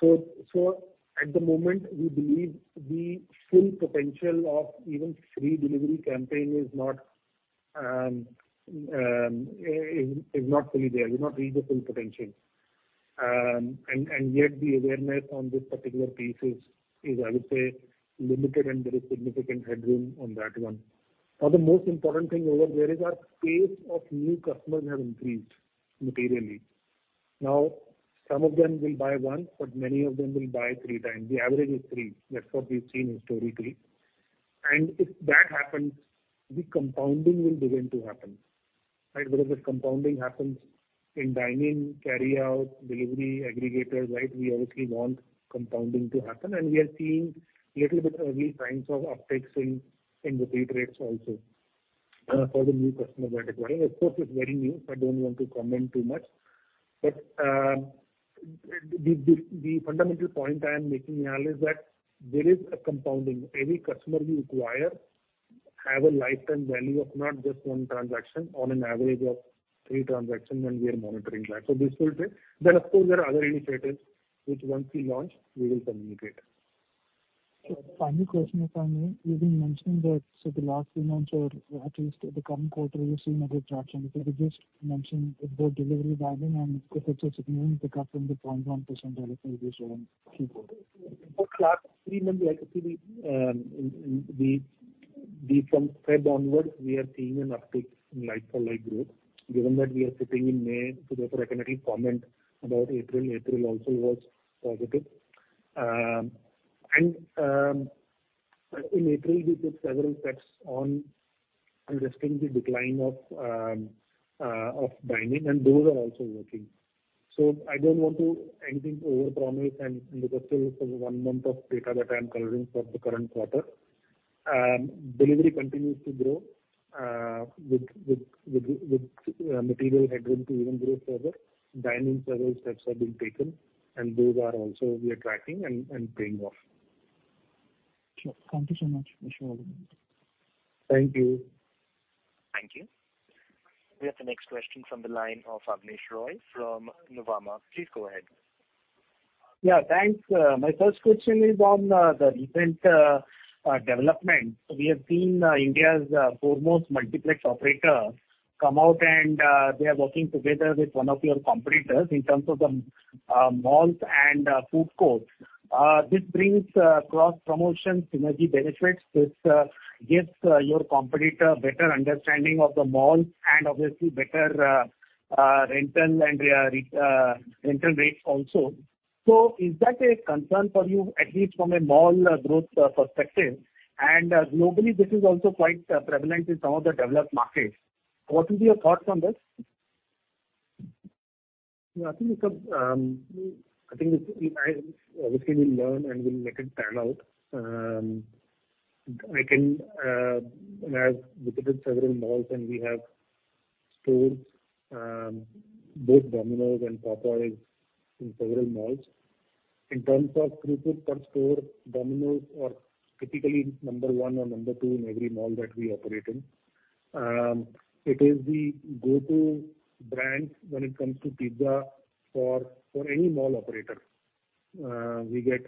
So at the moment, we believe the full potential of even free delivery campaign is not fully there. We've not reached the full potential. And yet the awareness on this particular piece is, I would say, limited, and there is significant headroom on that one. Now, the most important thing over there is our base of new customers have increased materially. Now, some of them will buy once, but many of them will buy three times. The average is three. That's what we've seen historically. And if that happens, the compounding will begin to happen, right? Because if compounding happens in dine-in, carryout, delivery, aggregators, right, we obviously want compounding to happen. And we are seeing little bit early signs of upticks in repeat rates also for the new customers we're acquiring. Of course, it's very new, so I don't want to comment too much. But the fundamental point I am making now is that there is a compounding. Every customer you acquire have a lifetime value of not just one transaction, on an average of three transactions, and we are monitoring that. So this will take... Then, of course, there are other initiatives, which once we launch, we will communicate. Final question, if I may. You've been mentioning that so the last three months or at least the current quarter, you're seeing a good traction. Could you just mention about delivery, dine-in, and if it shows improvement pick up from the 0.1% level you saw in Q4? For the last three months, like I said, from February onwards, we are seeing an uptick in like-for-like growth. Given that we are sitting in May, so therefore I cannot comment about April. April also was positive. And in April, we took several steps on addressing the decline of dine-in, and those are also working. So I don't want to anything over-promise, and it is still one month of data that I am covering for the current quarter. Delivery continues to grow with material headroom to even grow further. Dine-in, several steps have been taken, and those are also we are tracking and paying off. Sure. Thank you so much, Nihal. Thank you. Thank you. We have the next question from the line of Abnesh Roy from Nuvama. Please go ahead. Yeah, thanks. My first question is on the recent development. We have seen India's foremost multiplex operator come out, and they are working together with one of your competitors in terms of the malls and food courts. This brings cross-promotion synergy benefits, which gives your competitor better understanding of the mall and obviously better rental and re-rental rates also. So is that a concern for you, at least from a mall growth perspective? And globally, this is also quite prevalent in some of the developed markets. What is your thoughts on this? Yeah, I think it's. I think it's. Obviously, we'll learn and we'll let it pan out. I can, I have visited several malls, and we have stores, both Domino's and Papa John's in several malls. In terms of throughput per store, Domino's are typically number one or number two in every mall that we operate in. It is the go-to brand when it comes to pizza for, for any mall operator. We get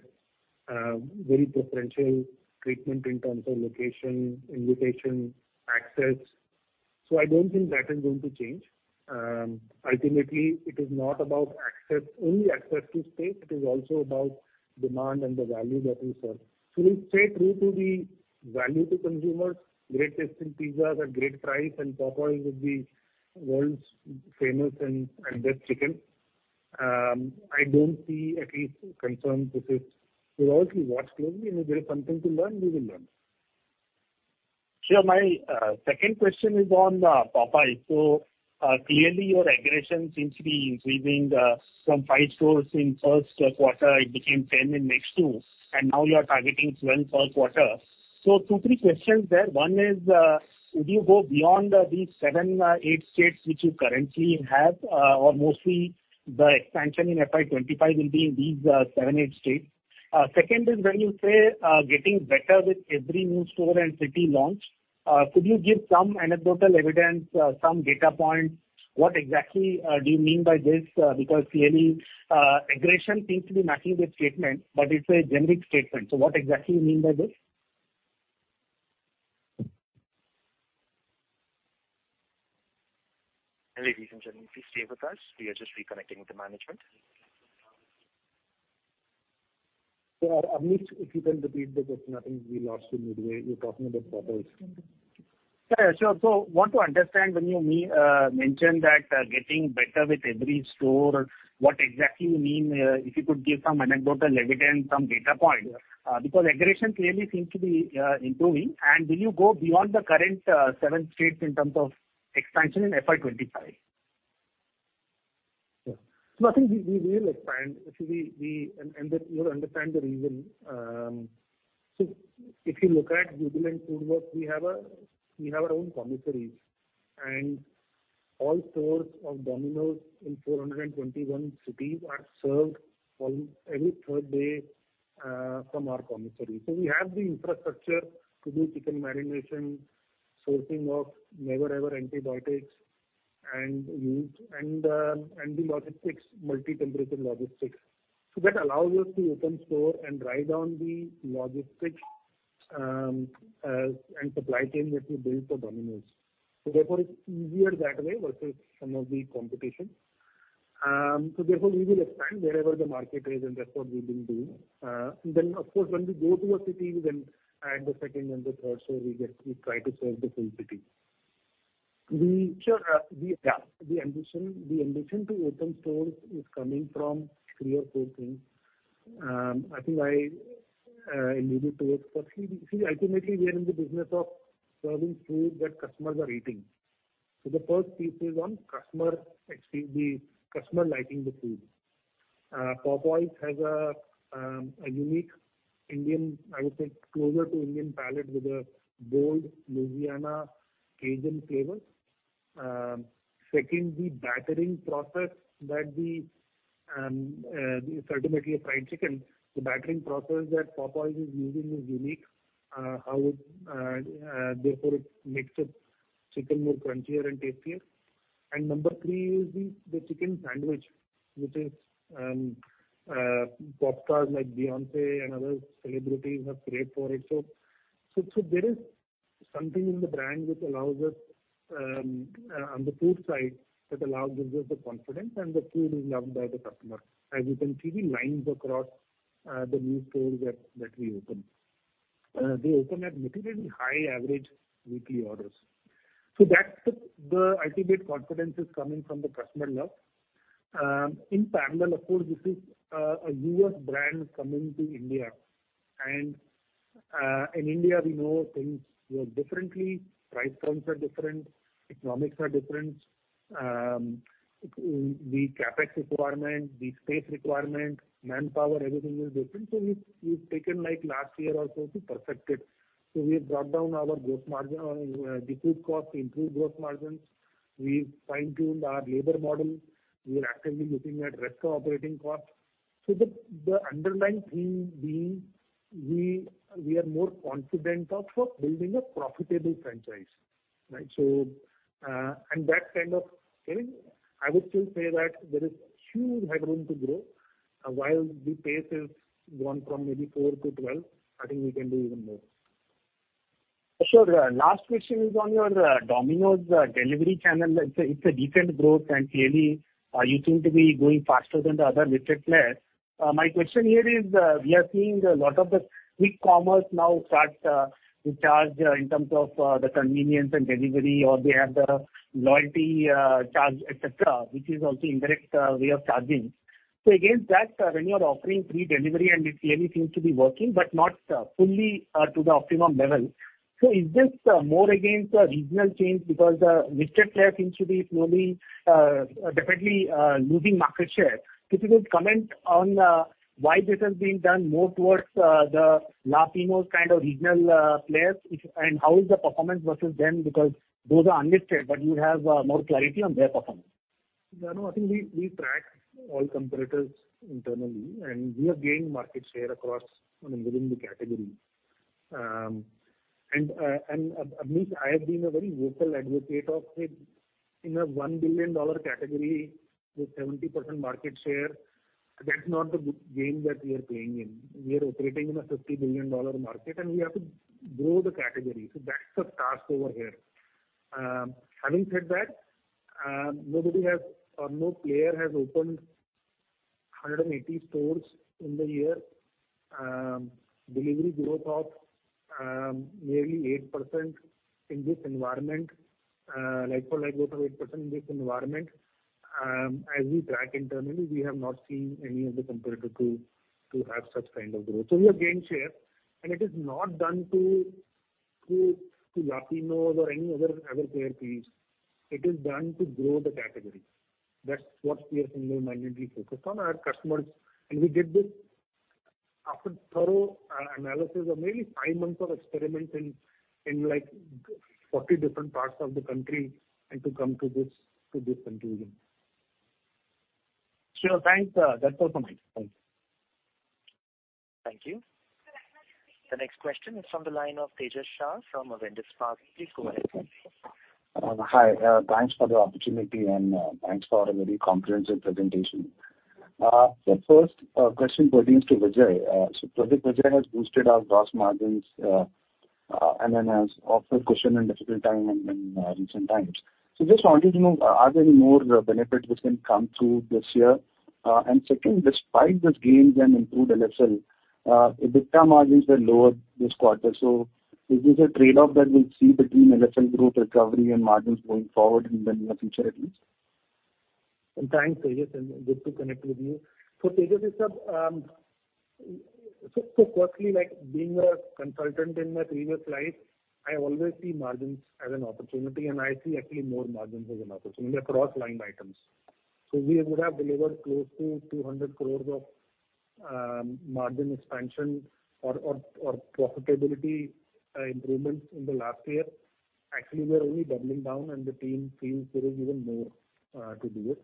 very preferential treatment in terms of location, invitation, access. So I don't think that is going to change. Ultimately, it is not about access, only access to space, it is also about demand and the value that we serve. So we stay true to the value to consumers, great tasting pizzas at great price, and Popeyes is the world's famous and, and best chicken. I don't see at least concerned with it. We'll obviously watch closely, and if there is something to learn, we will learn. Sure. My second question is on the Popeyes. So clearly, your aggression seems to be increasing from five stores in first quarter, it became 10 in next two, and now you are targeting 12 third quarter. So two, three questions there. One is, would you go beyond these seven, eight states which you currently have, or mostly the expansion in FY 2025 will be in these seven, eight states? Second is when you say getting better with every new store and city launch, could you give some anecdotal evidence, some data points? What exactly do you mean by this? Because clearly aggression seems to be matching the statement, but it's a generic statement. So what exactly you mean by this? Hello, please stay with us. We are just reconnecting with the management. So, Abneesh, if you can repeat the question, I think we lost you midway. You were talking about Popeyes. Yeah, sure. So want to understand when you mentioned that, getting better with every store, what exactly you mean? If you could give some anecdotal evidence, some data point, because aggression clearly seems to be improving. And will you go beyond the current, seven states in terms of expansion in FY 25? Sure. So I think we will expand. See, and you understand the reason. So if you look at Jubilant FoodWorks, we have our own commissaries, and all stores of Domino's in 421 cities are served on every third day from our commissary. So we have the infrastructure to do chicken marination, sourcing of never, ever antibiotics and use, and the logistics, multi-temperature logistics. So that allows us to open store and write down the logistics, and supply chain that we build for Domino's. So therefore, it's easier that way versus some of the competition. So therefore, we will expand wherever the market is, and that's what we've been doing. Then, of course, when we go to a city, we then add the second and the third, so we try to serve the full city. We sure, we, yeah, the ambition, the ambition to open stores is coming from three or four things. I think I alluded to it. Firstly, see, ultimately, we are in the business of serving food that customers are eating. So the first piece is on customer, actually, the customer liking the food. Popeyes has a unique Indian, I would say, closer to Indian palate, with a bold Louisiana Cajun flavor. Second, the battering process that we ultimately a fried chicken, the battering process that Popeyes is using is unique. Therefore it makes the chicken more crunchier and tastier. And number three is the chicken sandwich, which pop stars like Beyoncé and other celebrities have craved for it. So there is something in the brand which allows us, on the food side, that allows, gives us the confidence, and the food is loved by the customer. As you can see, the lines across the new stores that we open. They open at materially high average weekly orders. So that's the. I think the confidence is coming from the customer love. In parallel, of course, this is a US brand coming to India. And in India, we know things work differently, price points are different, economics are different, the CapEx requirement, the space requirement, manpower, everything is different. So we've taken, like, last year also to perfect it. So we have dropped down our food costs to improve gross margins. We fine-tuned our labor model. We are actively looking at restaurant operating costs. So the underlying theme being, we are more confident of building a profitable franchise, right? So and that kind of feeling, I would still say that there is huge headroom to grow. While the pace has grown from maybe four to 12, I think we can do even more. Sure. Last question is on your Domino's delivery channel. It's a decent growth, and clearly, you seem to be growing faster than the other listed players. My question here is, we are seeing a lot of the quick commerce now start to charge in terms of the convenience and delivery, or they have the loyalty charge, et cetera, which is also indirect way of charging. So against that, when you are offering free delivery, and it clearly seems to be working, but not fully to the optimum level. So is this more against a regional change? Because the listed players seem to be slowly definitely losing market share. So if you could comment on why this has been done more towards the local kind of regional players, if... How is the performance versus them? Because those are unlisted, but you have more clarity on their performance. Yeah, no, I think we track all competitors internally, and we are gaining market share across and within the category. And I mean, I have been a very vocal advocate of it. In a $1 billion category, with 70% market share, that's not the game that we are playing in. We are operating in a $50 billion market, and we have to grow the category. So that's the task over here. Having said that, nobody has or no player has opened 180 stores in the year. Delivery growth of nearly 8% in this environment, like-for-like growth of 8% in this environment. As we track internally, we have not seen any of the competitors to have such kind of growth. So we have gained share, and it is not due to Zomato or any other player. It is done to grow the category. That's what we are single-mindedly focused on, our customers. And we did this after thorough analysis of maybe five months of experiments in like 40 different parts of the country and to come to this conclusion. Sure, thanks, that's all for me. Thanks. Thank you. The next question is from the line of Tejas Shah from Avendus Spark. Please go ahead. Hi, thanks for the opportunity, and thanks for a very comprehensive presentation. The first question pertains to Vijay. So Vijay has boosted our gross margins, and then has offered cushion in difficult time in recent times. So just wanted to know, are there any more benefits which can come through this year? And second, despite this gains and improved LFL, EBITDA margins were lower this quarter. So is this a trade-off that we'll see between LFL growth recovery and margins going forward in the near future, at least? Thanks, Tejas, and good to connect with you. So Tejas, it's so firstly, like, being a consultant in my previous life, I always see margins as an opportunity, and I see actually more margins as an opportunity across line items. So we would have delivered close to 200 crore of margin expansion or profitability improvements in the last year. Actually, we are only doubling down, and the team feels there is even more to do it.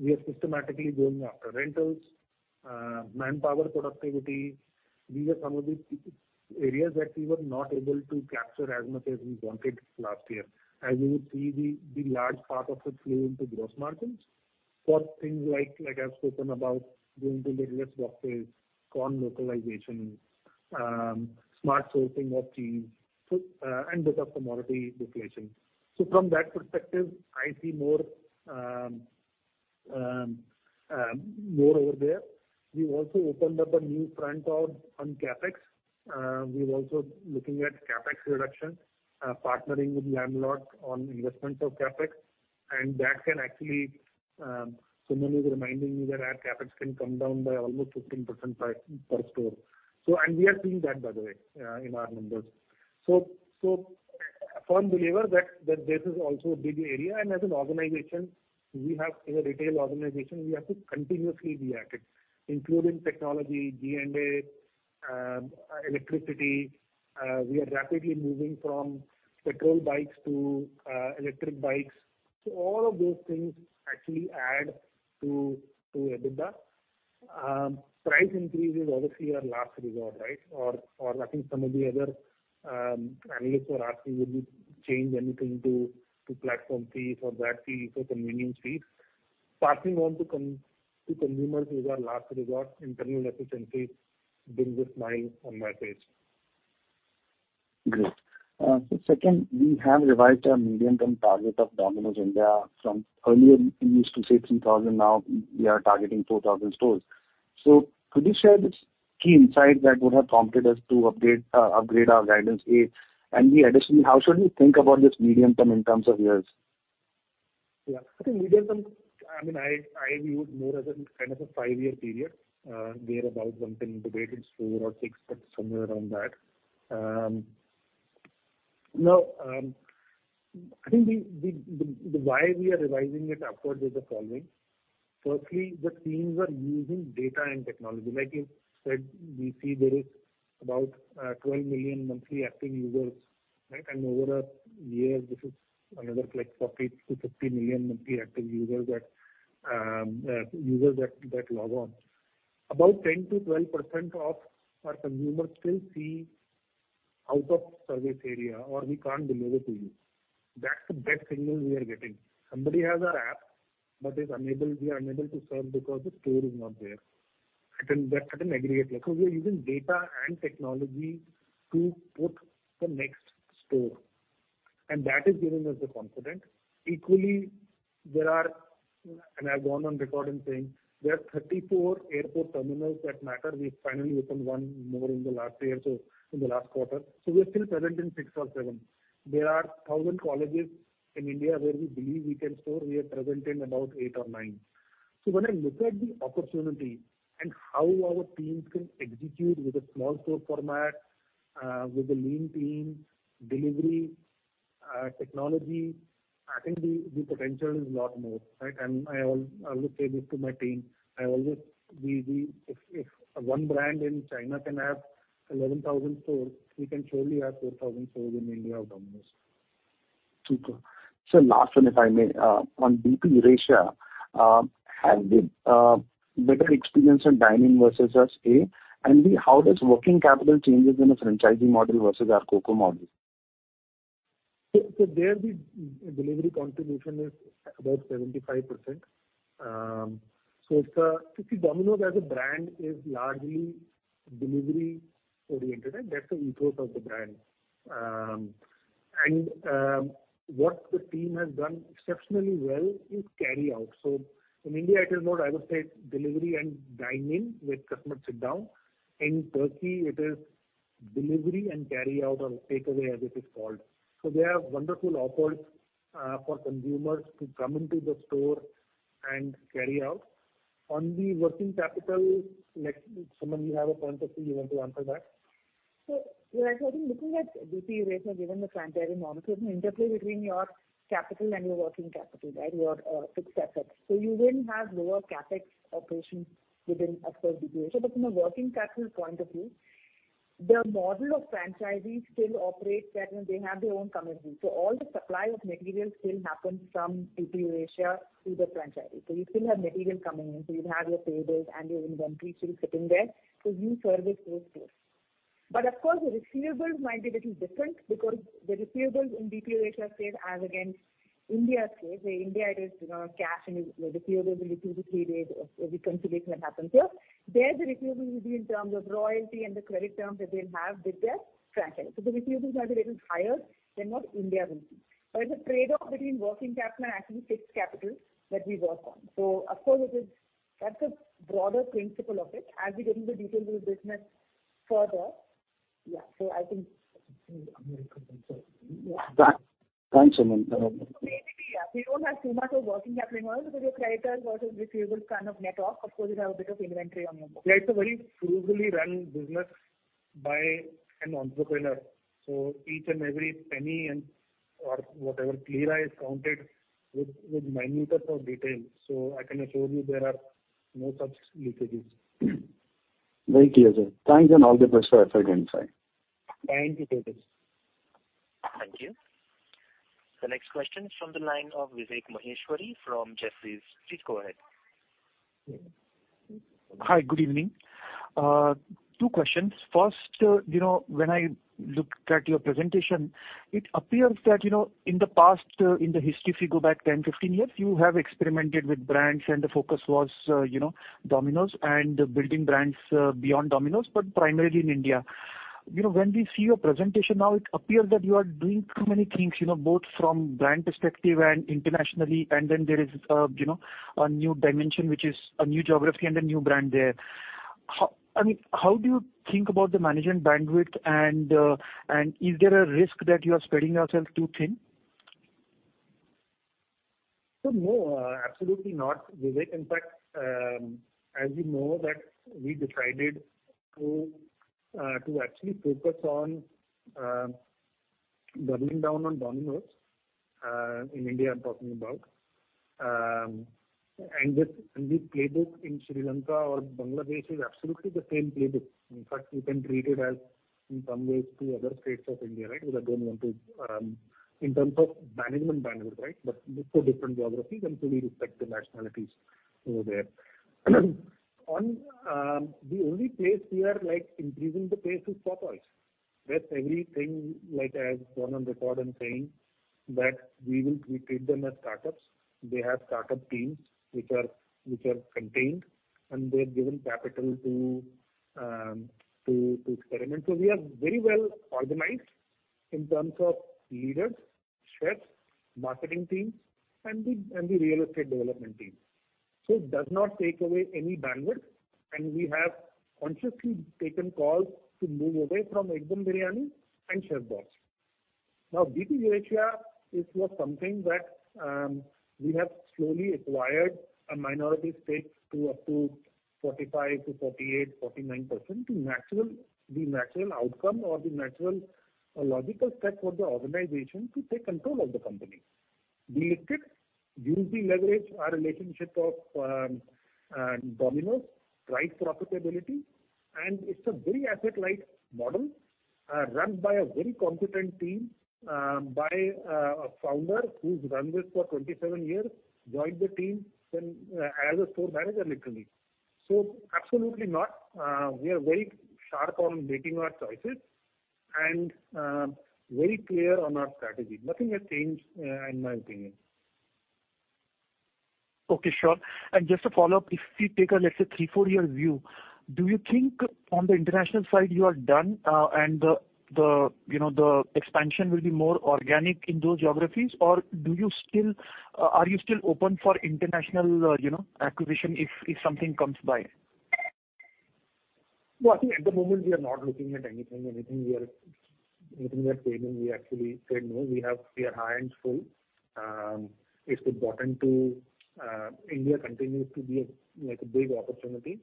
We are systematically going after rentals, manpower productivity. These are some of the areas that we were not able to capture as much as we wanted last year. As you would see, the large part of it flow into gross margins for things like, like I've spoken about, doing the radius boxes, corn localization, smart sourcing of cheese, so, and bit of commodity deflation. So from that perspective, I see more, more over there. We've also opened up a new front on CapEx. We're also looking at CapEx reduction, partnering with landlord on investment of CapEx, and that can actually... Someone is reminding me that our CapEx can come down by almost 15% per store. So and we are seeing that, by the way, in our numbers. So, a firm believer that this is also a big area, and as an organization, we have a retail organization, we have to continuously react, including technology, GNMA, electricity. We are rapidly moving from petrol bikes to electric bikes. So all of those things actually add to EBITDA. Price increase is obviously our last resort, right? Or I think some of the other analysts were asking, would you change anything to platform fees or that fees or convenience fees? Passing on to consumers is our last resort. Internal efficiency brings a smile on my face. Great. So second, we have revised our medium-term target of Domino's India from earlier we used to say 3,000, now we are targeting 4,000 stores. So could you share this key insight that would have prompted us to update, upgrade our guidance A? And B, additionally, how should we think about this medium term in terms of years? Yeah. I think medium term, I mean, I view it more as a kind of a five-year period, thereabout, something between four or six, but somewhere around that. Now, I think the why we are revising it upwards is the following: firstly, the teams are using data and technology. Like you said, we see there is about 12 million monthly active users, right? And over a year, this is another like 40-50 million monthly active users that users that log on. About 10%-12% of our consumers still see out of service area, or we can't deliver to you. That's the best signal we are getting. Somebody has our app, but is unable - we are unable to serve because the store is not there. At an aggregate level, so we are using data and technology to put the next store, and that is giving us the confidence. Equally, there are, and I've gone on record in saying, there are 34 airport terminals that matter. We've finally opened one more in the last year or so, in the last quarter, so we are still present in six or seven. There are 1,000 colleges in India where we believe we can store. We are present in about eight or nine. So when I look at the opportunity and how our teams can execute with a small store format, with a lean team, delivery, technology, I think the potential is a lot more, right? And I always say this to my team, I always... If one brand in China can have 11,000 stores, we can surely have 4,000 stores in India of Domino's.... Sir, last one, if I may, on DP Eurasia, has the better experience in dining versus us, A, and B, how does working capital changes in a franchising model versus our COCO model? There the delivery contribution is about 75%. You see, Domino's as a brand is largely delivery-oriented, and that's the ethos of the brand. What the team has done exceptionally well is carry out. In India, it is not, I would say, delivery and dine in, where customers sit down. In Turkey, it is delivery and carry out or takeaway, as it is called. They have wonderful offers for consumers to come into the store and carry out. On the working capital, like, Suman, you have a point of view, you want to answer that? So yeah, I think looking at DP Eurasia, given the franchising model, there's an interplay between your capital and your working capital, right? Your fixed assets. So you then have lower CapEx operations within, of course, DP Eurasia. But from a working capital point of view, the model of franchisees still operates that they have their own commissary. So all the supply of materials still happens from DP Eurasia to the franchisee. So you still have material coming in, so you have your payables and your inventory still sitting there. So you service those stores. But of course, the receivables might be a little different because the receivables in DP Eurasia case as against India's case, where India is, you know, cash and the receivables will be two to three days of reconciliation that happens here. There, the receivables will be in terms of royalty and the credit terms that they'll have with their franchisees. So the receivables might be a little higher than what India will be. But it's a trade-off between working capital and actually fixed capital that we work on. So of course, it is, that's a broader principle of it. As we get into the details of the business further, yeah, so I think- I'm going to confirm. Yeah. Thanks, Suman. Maybe, yeah, we don't have too much of working capital involved because your creditors versus receivables kind of net off. Of course, you have a bit of inventory on your book. Yeah, it's a very frugally run business by an entrepreneur. So each and every penny and or whatever lira is counted with, with millimeter for detail. So I can assure you there are no such leakages. Very clear, sir. Thanks, and all the best for your future inside. Thank you, Tejas. Thank you. The next question is from the line of Vivek Maheshwari from Jefferies. Please go ahead. Hi, good evening. Two questions. First, you know, when I looked at your presentation, it appears that, you know, in the past, in the history, if you go back 10, 15 years, you have experimented with brands and the focus was, you know, Domino's and building brands, beyond Domino's, but primarily in India. You know, when we see your presentation now, it appears that you are doing too many things, you know, both from brand perspective and internationally, and then there is a, you know, a new dimension, which is a new geography and a new brand there. How... I mean, how do you think about the management bandwidth, and, and is there a risk that you are spreading yourself too thin? So no, absolutely not, Vivek. In fact, as you know, that we decided to actually focus on doubling down on Domino's in India, I'm talking about. And the playbook in Sri Lanka or Bangladesh is absolutely the same playbook. In fact, you can treat it as, in some ways, two other states of India, right? Because I don't want to in terms of management bandwidth, right, but for different geographies and so we respect the nationalities over there. The only place we are like increasing the pace is Papa John's, where everything like has gone on record and saying that we will treat them as startups. They have startup teams which are contained, and they're given capital to experiment. So we are very well organized in terms of leaders, chefs, marketing teams, and the, and the real estate development team. So it does not take away any bandwidth, and we have consciously taken calls to move away from Ekdum! Biryani and ChefBoss. Now, DP Eurasia, it was something that, we have slowly acquired a minority stake to up to 45%-48%, 49%, to natural- the natural outcome or the natural or logical step for the organization to take control of the company. We looked it, we will leverage our relationship of, Domino's, drive for profitability, and it's a very asset-light model, run by a very competent team, by a, a founder who's run this for 27 years, joined the team then, as a store manager, literally. So absolutely not, we are very sharp on making our choices and very clear on our strategy. Nothing has changed, in my opinion. Okay, sure. Just to follow up, if we take, let's say, a three-four-year view, do you think on the international side, you are done, and the, you know, the expansion will be more organic in those geographies? Or do you still, are you still open for international, you know, acquisition if something comes by? Well, I think at the moment, we are not looking at anything. Anything we are, anything we are saying, we actually said, no, we have - we are hands full. It's important to India continues to be a, like, a big opportunity,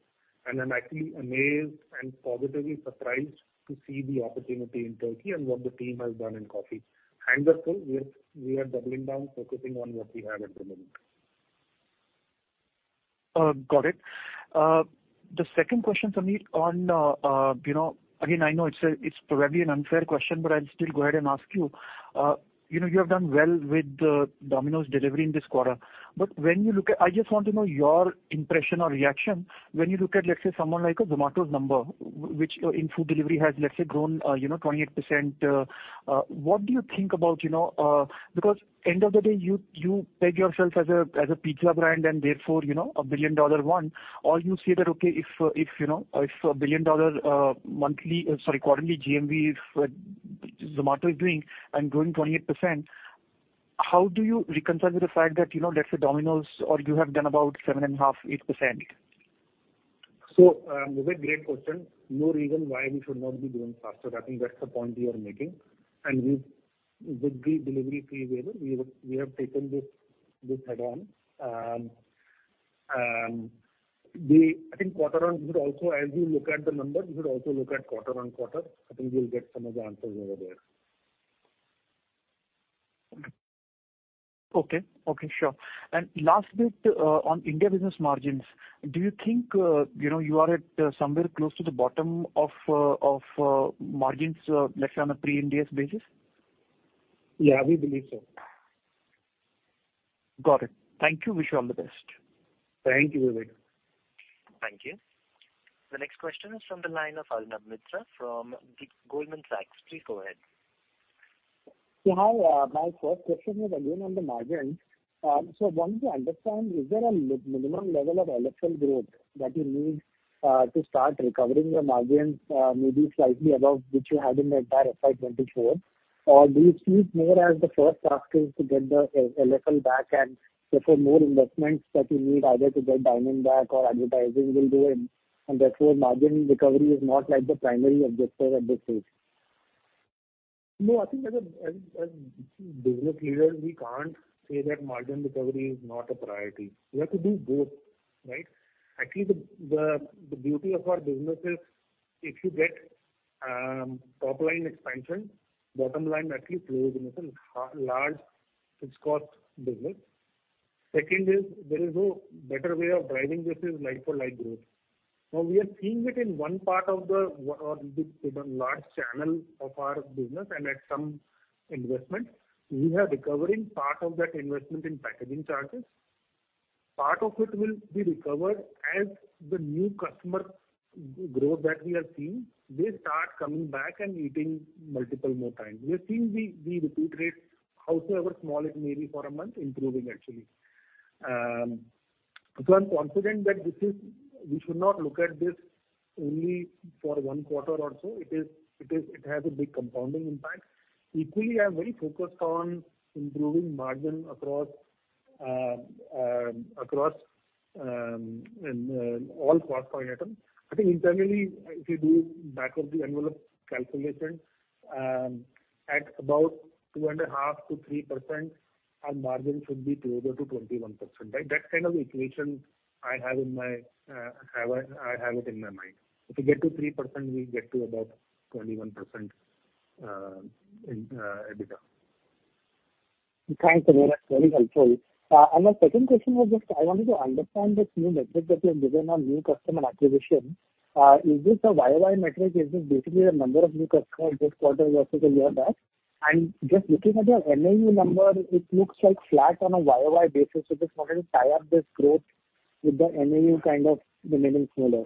and I'm actually amazed and positively surprised to see the opportunity in Turkey and what the team has done in COFFY. Hands are full. We are, we are doubling down, focusing on what we have at the moment.... Got it. The second question, Sameer, on, you know, again, I know it's a, it's probably an unfair question, but I'll still go ahead and ask you. You know, you have done well with the Domino's delivery in this quarter. But when you look at, I just want to know your impression or reaction when you look at, let's say, someone like a Zomato's number, which, in food delivery has, let's say, grown, you know, 28%. What do you think about, you know, because end of the day, you peg yourself as a, as a pizza brand, and therefore, you know, a billion-dollar one. Or you say that, okay, if, if, you know, if a billion-dollar, monthly, sorry, quarterly GMV, if Zomato is doing and growing 28%, how do you reconcile with the fact that, you know, let's say, Domino's or you have done about 7.5, 8%? So, Vivek, great question. No reason why we should not be growing faster. I think that's the point you are making. And we, with the delivery fee waiver, we have taken this add-on. I think quarter-over-quarter also, as we look at the numbers, we should also look at quarter-over-quarter. I think you'll get some of the answers over there. Okay. Okay, sure. And last bit, on India business margins, do you think, you know, you are at somewhere close to the bottom of margins, let's say, on a pre-IndAS basis? Yeah, we believe so. Got it. Thank you. Wish you all the best. Thank you, Vivek. Thank you. The next question is from the line of Arnab Mitra from Goldman Sachs. Please go ahead. Yeah, hi, my first question is again on the margins. So I want to understand, is there a minimum level of LFL growth that you need to start recovering your margins, maybe slightly above which you had in the entire FY 2024? Or do you see it more as the first task is to get the LFL back, and therefore more investments that you need either to get dining back or advertising will do it, and therefore, margin recovery is not like the primary objective at this stage? No, I think as business leaders, we can't say that margin recovery is not a priority. We have to do both, right? Actually, the beauty of our business is, if you get top line expansion, bottom line at least closes in a large fixed cost business. Second is, there is no better way of driving this is like-for-like growth. Now, we are seeing it in one part of the world or the large channel of our business and at some investment. We are recovering part of that investment in packaging charges. Part of it will be recovered as the new customer growth that we have seen, they start coming back and eating multiple more times. We are seeing the repeat rates, however small it may be for a month, improving actually. So I'm confident that this is. We should not look at this only for 1 quarter or so. It has a big compounding impact. Equally, I'm very focused on improving margin across all price point item. I think internally, if you do back-of-the-envelope calculation, at about 2.5%-3%, our margin should be closer to 21%. That kind of equation I have in my mind. If we get to 3%, we get to about 21% in EBITDA. Thanks, Sameer. That's very helpful. And my second question was just I wanted to understand this new metric that you have given on new customer acquisition. Is this a YOY metric? Is this basically the number of new customers this quarter versus a year back? And just looking at your MAU number, it looks like flat on a YOY basis. So just wanted to tie up this growth with the MAU kind of remaining similar.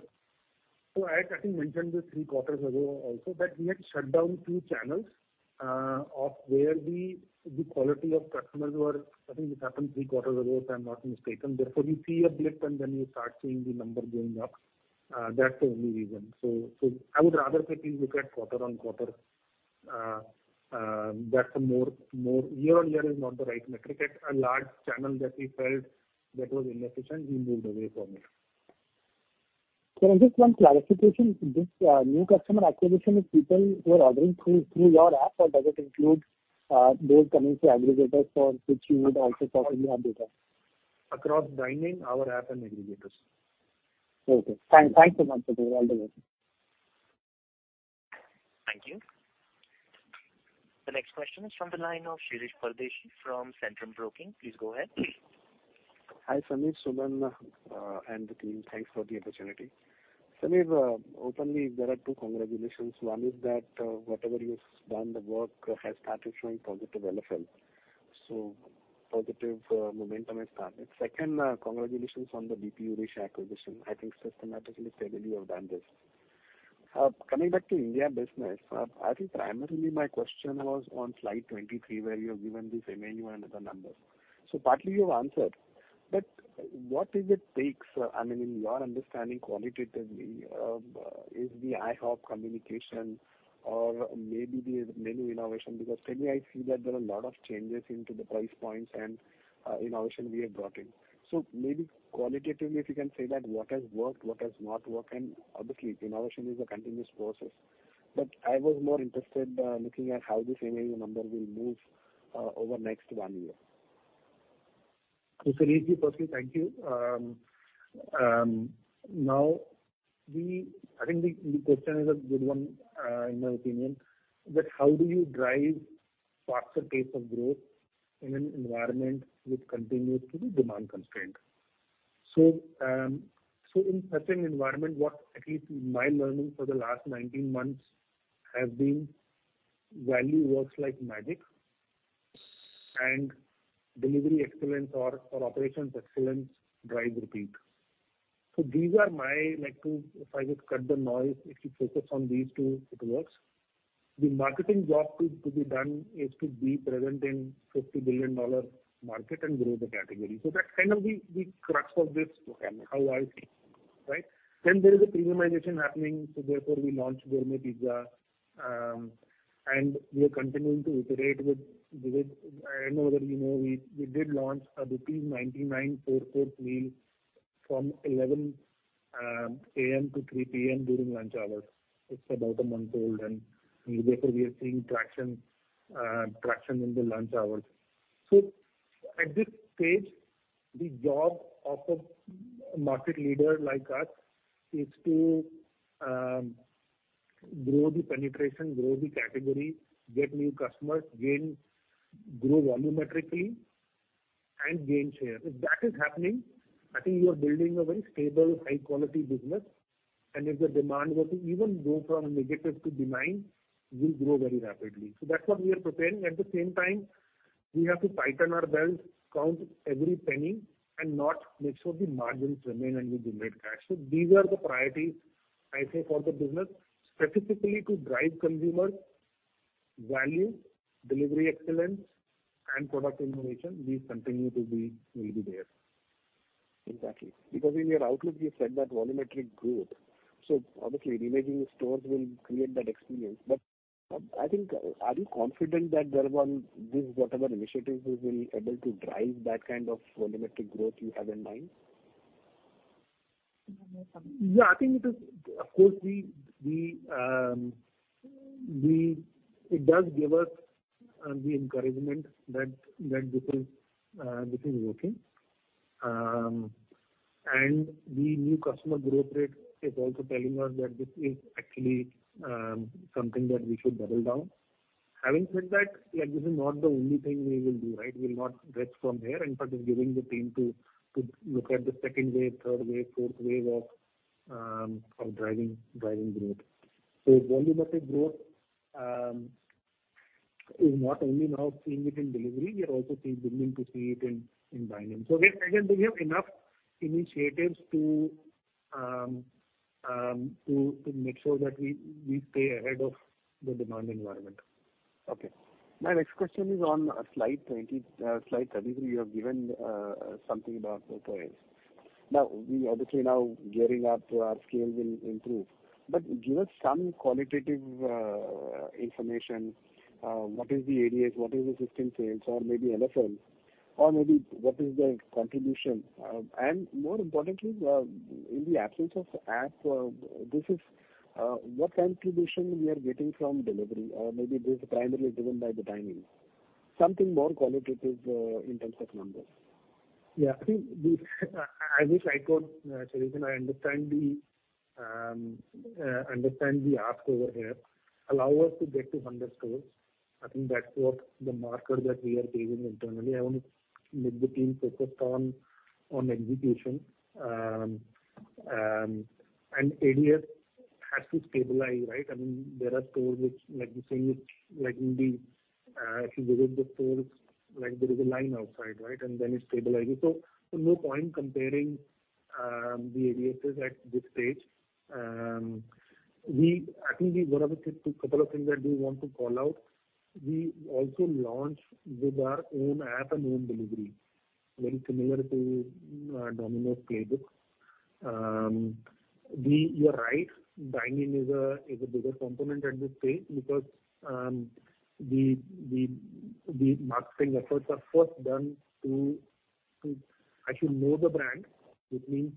So I think mentioned this three quarters ago also, that we had shut down two channels of where the quality of customers were... I think this happened three quarters ago, if I'm not mistaken. Therefore, you see a blip, and then you start seeing the number going up. That's the only reason. So I would rather say, please look at quarter-over-quarter. That's a more, year-over-year is not the right metric. At a large channel that we felt that was inefficient, we moved away from it. Sir, just one clarification. This new customer acquisition is people who are ordering through your app, or does it include those coming through aggregators for which you would also possibly have data? Across dining, our app, and aggregators. Okay. Thanks so much, Sameer All the best. Thank you. The next question is from the line of Shirish Pardeshi from Centrum Broking. Please go ahead. Hi, Shyam, Suman, and the team. Thanks for the opportunity. Shyam, openly, there are two congratulations. One is that, whatever you've done, the work has started showing positive LFL. Positive momentum has started. Second, congratulations on the DP Eurasia acquisition. I think systematically, steadily, you have done this. Coming back to India business, I think primarily my question was on Slide 23, where you have given the same annual numbers. Partly you have answered, but what it takes, I mean, in your understanding qualitatively, is the IHOP communication or maybe the menu innovation? Because certainly I see that there are a lot of changes in the price points and, innovation we have brought in. So maybe qualitatively, if you can say that what has worked, what has not worked, and obviously, innovation is a continuous process. But I was more interested, looking at how the same annual number will move over next one year. So Shirish, firstly, thank you. We, I think the, the question is a good one, in my opinion, but how do you drive faster pace of growth in an environment which continues to be demand constrained? So, in such an environment, what at least my learning for the last 19 months has been, value works like magic, and delivery excellence or operations excellence drive repeat. So these are my like two, if I just cut the noise, if you focus on these two, it works. The marketing job to be done is to be present in $50 billion market and grow the category. So that's kind of the crux of this, how I see, right? Then there is a premiumization happening, so therefore we launched Gourmet Pizza, and we are continuing to iterate with visit. I know that you know, we did launch an rupees 99 four-course meal from 11 A.M.-3 P.M. during lunch hours. It's about a month old, and therefore we are seeing traction, traction in the lunch hours. So at this stage, the job of a market leader like us is to grow the penetration, grow the category, get new customers, grow volumetrically, and gain share. If that is happening, I think you are building a very stable, high quality business, and if the demand were to even go from negative to demand, we'll grow very rapidly. So that's what we are preparing. At the same time, we have to tighten our belt, count every penny and not make sure the margins remain and we generate cash. So these are the priorities I say for the business. Specifically, to drive consumer value, delivery excellence, and product innovation, we continue to be, will be there. Exactly. Because in your outlook, you said that volumetric growth, so obviously reimaging stores will create that experience. But, I think, are you confident that whatever initiatives you will be able to drive that kind of volumetric growth you have in mind? Yeah, I think it is. Of course, it does give us the encouragement that this is working. And the new customer growth rate is also telling us that this is actually something that we should double down. Having said that, like, this is not the only thing we will do, right? We'll not rest from here, in fact it's giving the team to look at the second wave, third wave, fourth wave of driving growth. So volumetric growth is not only now seeing it in delivery, we are also seeing, beginning to see it in dine-in. So again, we have enough initiatives to make sure that we stay ahead of the demand environment. Okay. My next question is on slide 20, slide 33, you have given, something about the stores. Now, we obviously now gearing up, so our scales will improve. But give us some qualitative, information, what is the ADS, what is the system sales or maybe LFL, or maybe what is the contribution? And more importantly, in the absence of app, this is, what contribution we are getting from delivery? Or maybe this is primarily driven by the timing. Something more qualitative, in terms of numbers. Yeah, I think I wish I could, Aslan, I understand the ask over here. Allow us to get to 100 stores. I think that's what the marker that we are giving internally. I want to make the team focused on execution. And ADS has to stabilize, right? I mean, there are stores which, like you say, which like in the, if you visit the stores, like there is a line outside, right? And then it stabilizes. So no point comparing the ADS at this stage. I think we one of the things, couple of things that we want to call out, we also launch with our own app and own delivery, very similar to Domino's playbook. We... You're right, dine-in is a bigger component at this stage because the marketing efforts are first done to actually know the brand, which means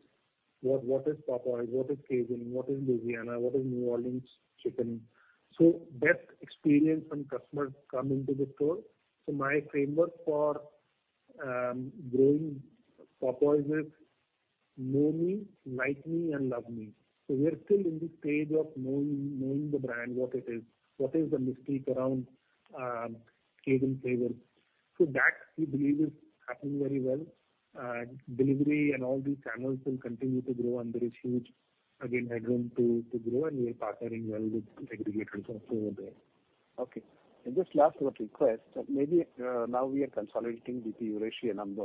what is Popeyes, what is Cajun, what is Louisiana, what is New Orleans chicken? So that experience when customers come into the store. So my framework for growing Popeyes is know me, like me and love me. So we are still in the stage of knowing the brand, what it is, what is the mystery around Cajun flavor. So that, we believe is happening very well. Delivery and all these channels will continue to grow, and there is huge, again, headroom to grow, and we are partnering well with aggregators also over there. Okay. Just last little request, maybe now we are consolidating DP Eurasia number.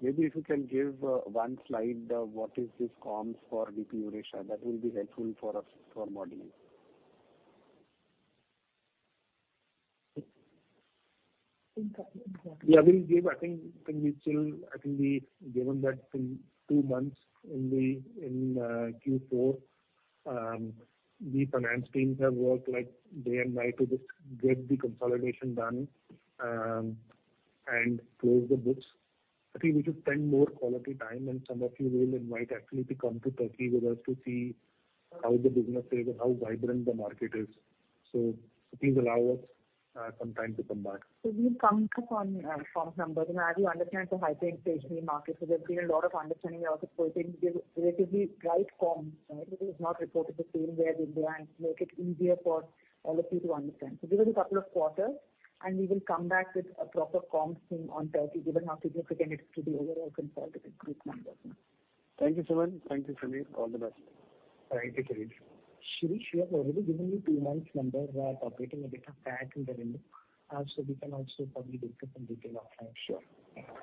Maybe if you can give one slide, what is this commissary for DP Eurasia? That will be helpful for us, for modeling. Yeah, I think we've given that in two months in the Q4. The finance teams have worked like day and night to just get the consolidation done, and close the books. I think we should spend more quality time, and some of you we will invite actually to come to Turkey with us, to see how the business is and how vibrant the market is.... So, so please allow us some time to come back. So we will come back on comps numbers. And as you understand, it's a highly inflationary market, so there's been a lot of understanding also giving relatively right comps, right? Because it's not reported the same way as India, and make it easier for all of you to understand. So give us a couple of quarters, and we will come back with a proper comps team on Turkey, given how significant it is to the overall consolidated group numbers. Thank you, Suman. Thank you, Sameer. All the best. Thank you, Shirish. Shirish, we have already given you two months numbers, operating a bit of lag in the revenue. So we can also probably discuss in detail offline. Sure.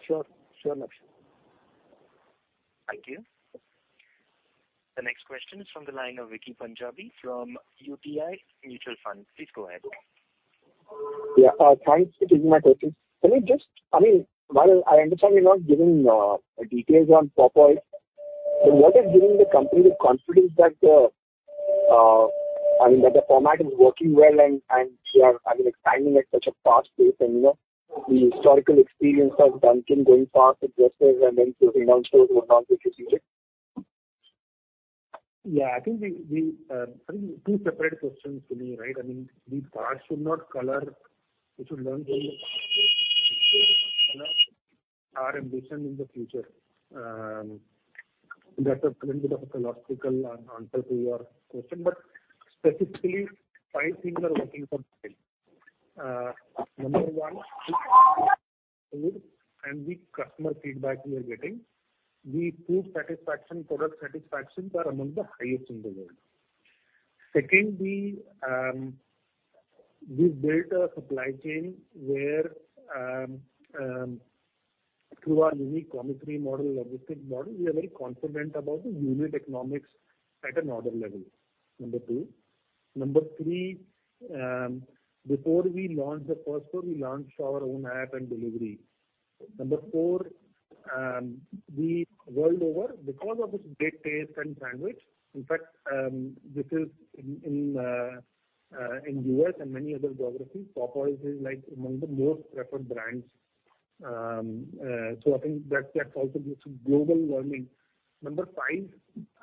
Sure, sure, Lakshman. Thank you. The next question is from the line of Vicky Punjabi from UTI Mutual Fund. Please go ahead. Yeah, thanks. It is my pleasure. Can you just—I mean, while I understand you're not giving, I mean, that the format is working well, and we are, I mean, expanding at such a fast pace, and, you know, the historical experience of Dunkin' going fast with restaurants and then closing down stores, what all do you see there? Yeah, I think we, I think two separate questions for me, right? I mean, the past should not color our ambition in the future. That's a little bit of a philosophical answer to your question, but specifically, five things are working for me. Number one, the customer feedback we are getting. The food satisfaction, product satisfaction are among the highest in the world. Secondly, we built a supply chain where, through our unique commissary model, logistics model, we are very confident about the unit economics at an order level, number two. Number three, before we launched the first store, we launched our own app and delivery. Number four, the world over, because of this great taste and sandwich, in fact, this is in U.S. and many other geographies, Popeyes is like among the most preferred brands. So I think that, that's also due to global warming. Number five,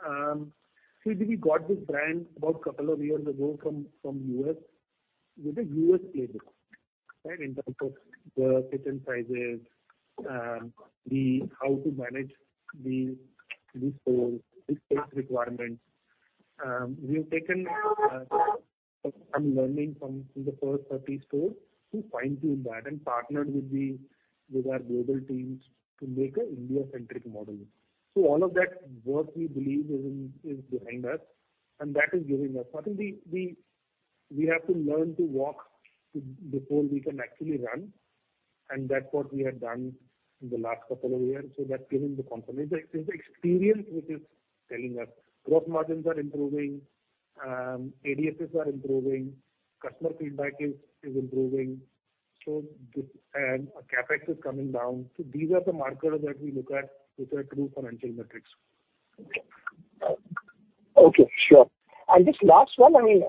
so we got this brand about a couple of years ago from U.S., with a U.S. playbook, right? In terms of the kitchen sizes, the how to manage the store, the space requirements. We have taken some learning from the first 30 stores to fine-tune that, and partnered with our global teams to make a India-centric model. So all of that work, we believe, is behind us, and that is giving us... I think we have to learn to walk to before we can actually run, and that's what we have done in the last couple of years. So that's giving the confidence. It's the experience which is telling us. Gross margins are improving, ADFAs are improving, customer feedback is improving, so and our CapEx is coming down. So these are the markers that we look at, which are true financial metrics. Okay. Okay, sure. And just last one, I mean,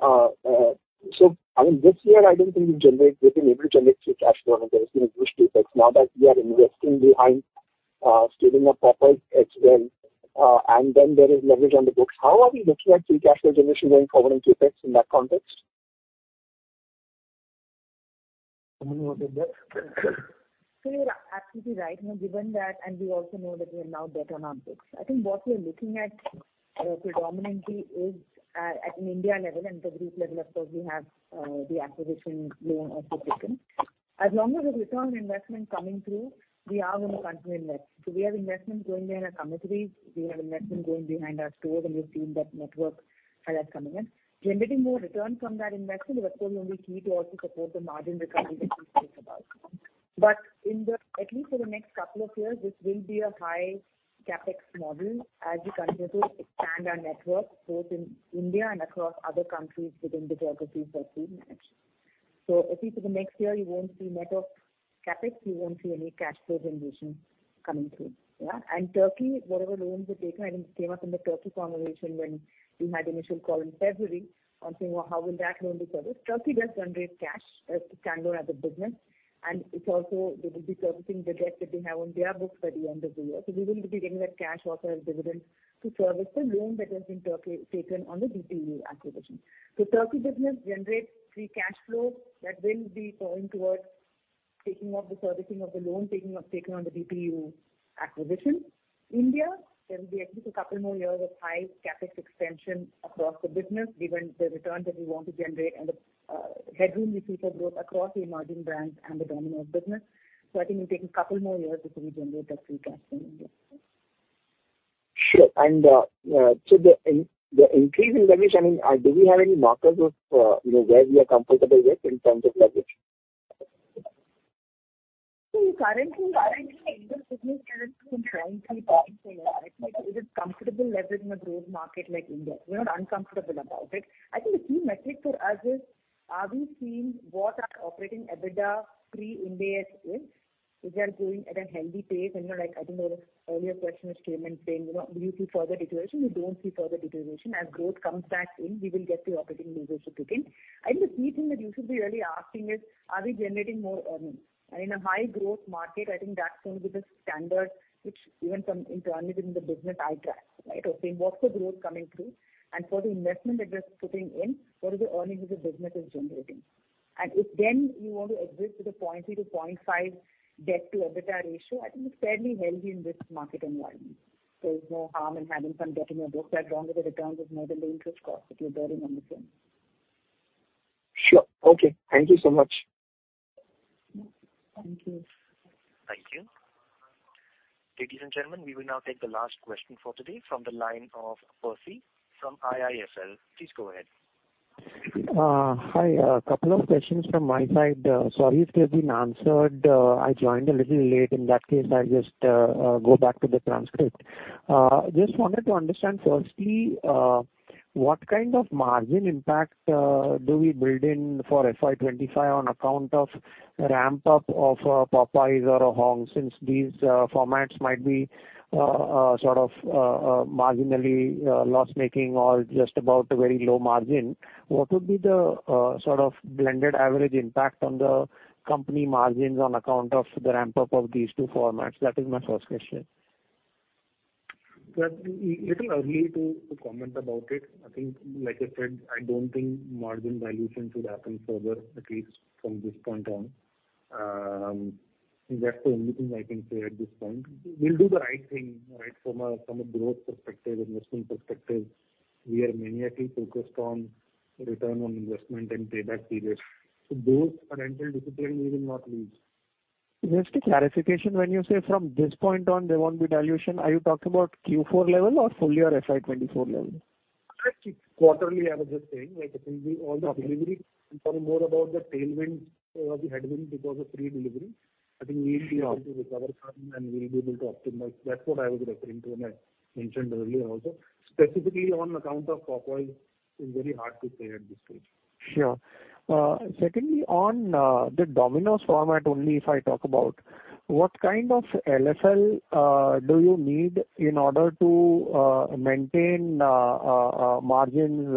so, I mean, this year, I don't think you generate, we've been able to generate free cash flow and there's been a boost CapEx. Now that we are investing behind, scaling up Popeyes as well, and then there is leverage on the books. How are we looking at free cash flow generation going forward in CapEx in that context? Suman, you want take that? So you're absolutely right. You know, given that, and we also know that we are now better on our books. I think what we are looking at, predominantly is at, at an India level and the group level, of course, we have, the acquisition loan also taken. As long as the return on investment coming through, we are going to continue to invest. So we have investment going behind our commissaries, we have investment going behind our stores, and you've seen that network, that's coming in. Generating more returns from that investment is also going to be key to also support the margin recovery that we spoke about. But, at least for the next couple of years, this will be a high CapEx model as we continue to expand our network, both in India and across other countries within the geographies that we manage. So at least for the next year, you won't see net of CapEx, you won't see any cash flow generation coming through. Yeah, and Turkey, whatever loans were taken, I think it came up in the Turkey conversation when we had initial call in February on saying, "Well, how will that loan be serviced?" Turkey does generate cash to stand alone as a business, and it's also, they will be servicing the debt that they have on their books by the end of the year. So we will be getting that cash also as dividend to service the loan that has been taken on the DPU acquisition. So Turkey business generates free cash flow that will be going towards taking off the servicing of the loan taken on the DPU acquisition. India, there will be at least a couple more years of high CapEx expansion across the business, given the return that we want to generate and the headroom we see for growth across the emerging brands and the Domino's business. So I think it'll take a couple more years before we generate that free cash flow in India. Sure. So the increase in leverage, I mean, do we have any markers of, you know, where we are comfortable with in terms of leverage? So currently, India business currently been trying to be buying for leverage. It is comfortable leverage in a growth market like India. We're not uncomfortable about it. I think the key metric for us is, are we seeing what our operating EBITDA pre-India is? If they are growing at a healthy pace, and, you know, like, I think our earlier questioner came and saying: You know, do you see further deterioration? We don't see further deterioration. As growth comes back in, we will get the operating leverage to kick in. I think the key thing that you should be really asking is, are we generating more earnings? And in a high growth market, I think that's going to be the standard, which even from internally within the business I track, right? Of saying, what's the growth coming through? For the investment that we're putting in, what are the earnings that the business is generating? ...And if then you want to exist with a 0.2-0.5 debt to EBITDA ratio, I think it's fairly healthy in this market environment. There is no harm in having some debt in your books, as long as the returns is more than the interest cost that you're bearing on the same. Sure. Okay, thank you so much. Thank you. Thank you. Ladies and gentlemen, we will now take the last question for today from the line of Percy from IIFL. Please go ahead. Hi. A couple of questions from my side. Sorry if they've been answered, I joined a little late. In that case, I'll just go back to the transcript. Just wanted to understand, firstly, what kind of margin impact do we build in for FY 25 on account of ramp-up of Popeyes or Hong's? Since these formats might be sort of marginally loss-making or just about a very low margin. What would be the sort of blended average impact on the company margins on account of the ramp-up of these two formats? That is my first question. Well, it's a little early to, to comment about it. I think, like I said, I don't think margin dilution should happen further, at least from this point on. That's the only thing I can say at this point. We'll do the right thing, right? From a, from a growth perspective, investment perspective, we are maniacally focused on return on investment and payback period. So those financial discipline we will not lose. Just a clarification. When you say from this point on, there won't be dilution, are you talking about Q4 level or full year FY 2024 level? Quarterly, I was just saying, like, it will be all the delivery. Okay. I'm talking more about the tailwind or the headwind because of free delivery. I think we will be able to recover some and we'll be able to optimize. That's what I was referring to when I mentioned earlier also. Specifically on account of Popeyes, it's very hard to say at this stage. Sure. Secondly, on the Domino's format, only if I talk about, what kind of LFL do you need in order to maintain margins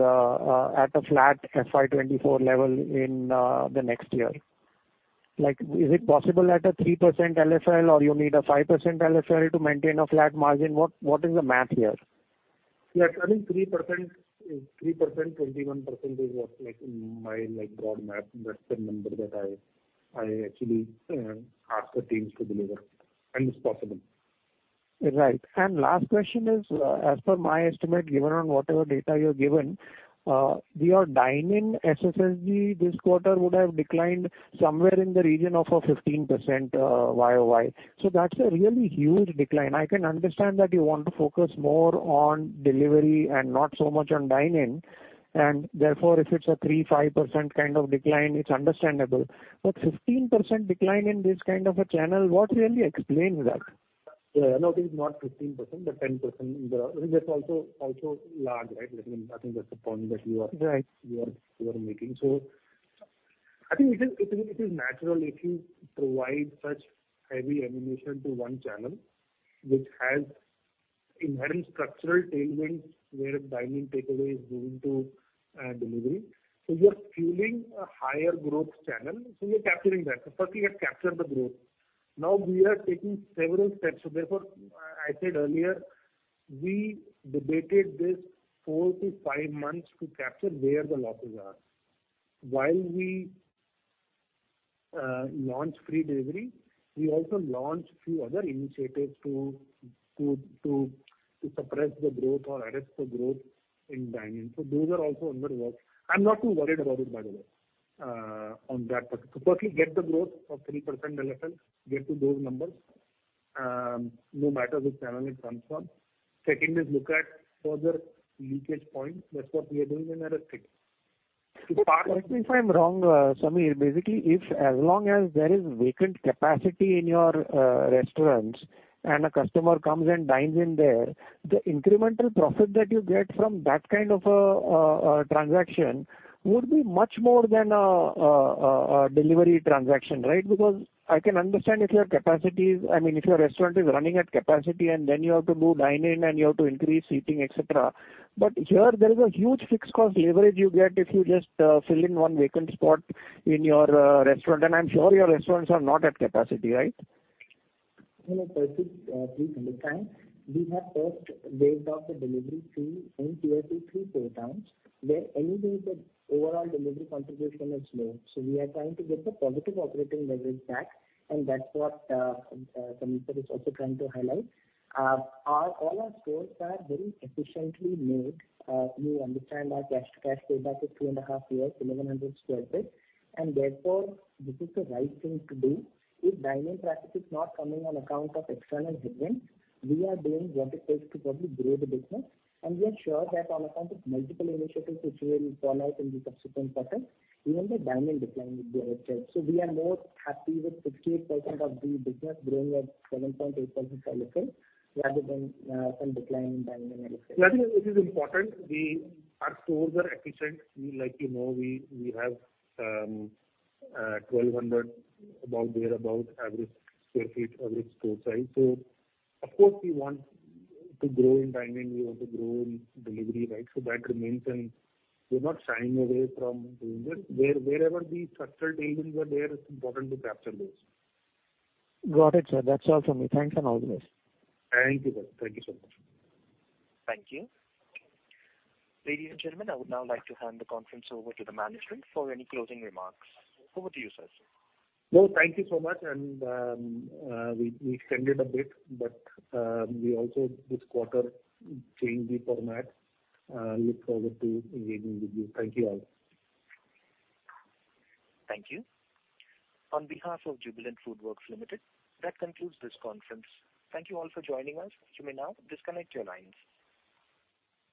at a flat FY 2024 level in the next year? Like, is it possible at a 3% LFL, or you need a 5% LFL to maintain a flat margin? What is the math here? Yeah, I think 3%, 3%, 21% is what, like, my, like, broad math. That's the number that I, I actually ask the teams to deliver, and it's possible. Right. And last question is, as per my estimate, given on whatever data you're given, your dine-in SSSG this quarter would have declined somewhere in the region of a 15%, YOY. So that's a really huge decline. I can understand that you want to focus more on delivery and not so much on dine-in, and therefore, if it's a 3-5% kind of decline, it's understandable. But 15% decline in this kind of a channel, what really explains that? Yeah, no, it is not 15%, but 10%. I mean, that's also, also large, right? I think that's the point that you are- Right. You are making. So I think it is natural if you provide such heavy ammunition to one channel, which has inherent structural tailwinds, where dine-in takeaway is moving to delivery. So we are fueling a higher growth channel, so we are capturing that. But first we have captured the growth. Now we are taking several steps. So therefore, I said earlier, we debated this four to five months to capture where the losses are. While we launch free delivery, we also launch a few other initiatives to suppress the growth or arrest the growth in dine-in. So those are also under work. I'm not too worried about it, by the way, on that part. So firstly, get the growth of 3% LFL, get to those numbers, no matter which channel it comes from. Secondly, look at further leakage points. That's what we are doing and arresting. Correct me if I'm wrong, Sameer. Basically, if as long as there is vacant capacity in your restaurants and a customer comes and dines in there, the incremental profit that you get from that kind of a transaction would be much more than a delivery transaction, right? Because I can understand if your capacity is -- I mean, if your restaurant is running at capacity, and then you have to do dine-in, and you have to increase seating, et cetera. But here there is a huge fixed cost leverage you get if you just fill in one vacant spot in your restaurant. And I'm sure your restaurants are not at capacity, right? Hello, Percy, please come in. We have first waived off the delivery fee in tier 2, 3, 4 towns, where anything that overall delivery contribution is low. So we are trying to get the positive operating leverage back, and that's what Sameer sir is also trying to highlight. Our all our stores are very efficiently made. You understand our cash-to-cash payback is 2.5 years, 1,100 sq ft, and therefore, this is the right thing to do. If dine-in traffic is not coming on account of external headwinds, we are doing what it takes to probably grow the business. And we are sure that on account of multiple initiatives, which we will roll out in the subsequent quarters, even the dine-in decline will be arrested. We are more happy with 68% of the business growing at 7.8% LFL, rather than some decline in dine-in LFL. Yeah, I think it is important. Our stores are efficient. We, like you know, we have 1,200, about thereabout, average sq ft, average store size. So of course, we want to grow in dine-in, we want to grow in delivery, right? So that remains, and we're not shying away from doing it. Wherever the structural tailwinds are there, it's important to capture those. Got it, sir. That's all from me. Thanks and all the best. Thank you, sir. Thank you so much. Thank you. Ladies and gentlemen, I would now like to hand the conference over to the management for any closing remarks. Over to you, sirs. No, thank you so much, and we extended a bit, but we also this quarter changed the format. Look forward to engaging with you. Thank you all. Thank you. On behalf of Jubilant FoodWorks Limited, that concludes this conference. Thank you all for joining us. You may now disconnect your lines.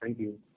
Thank you.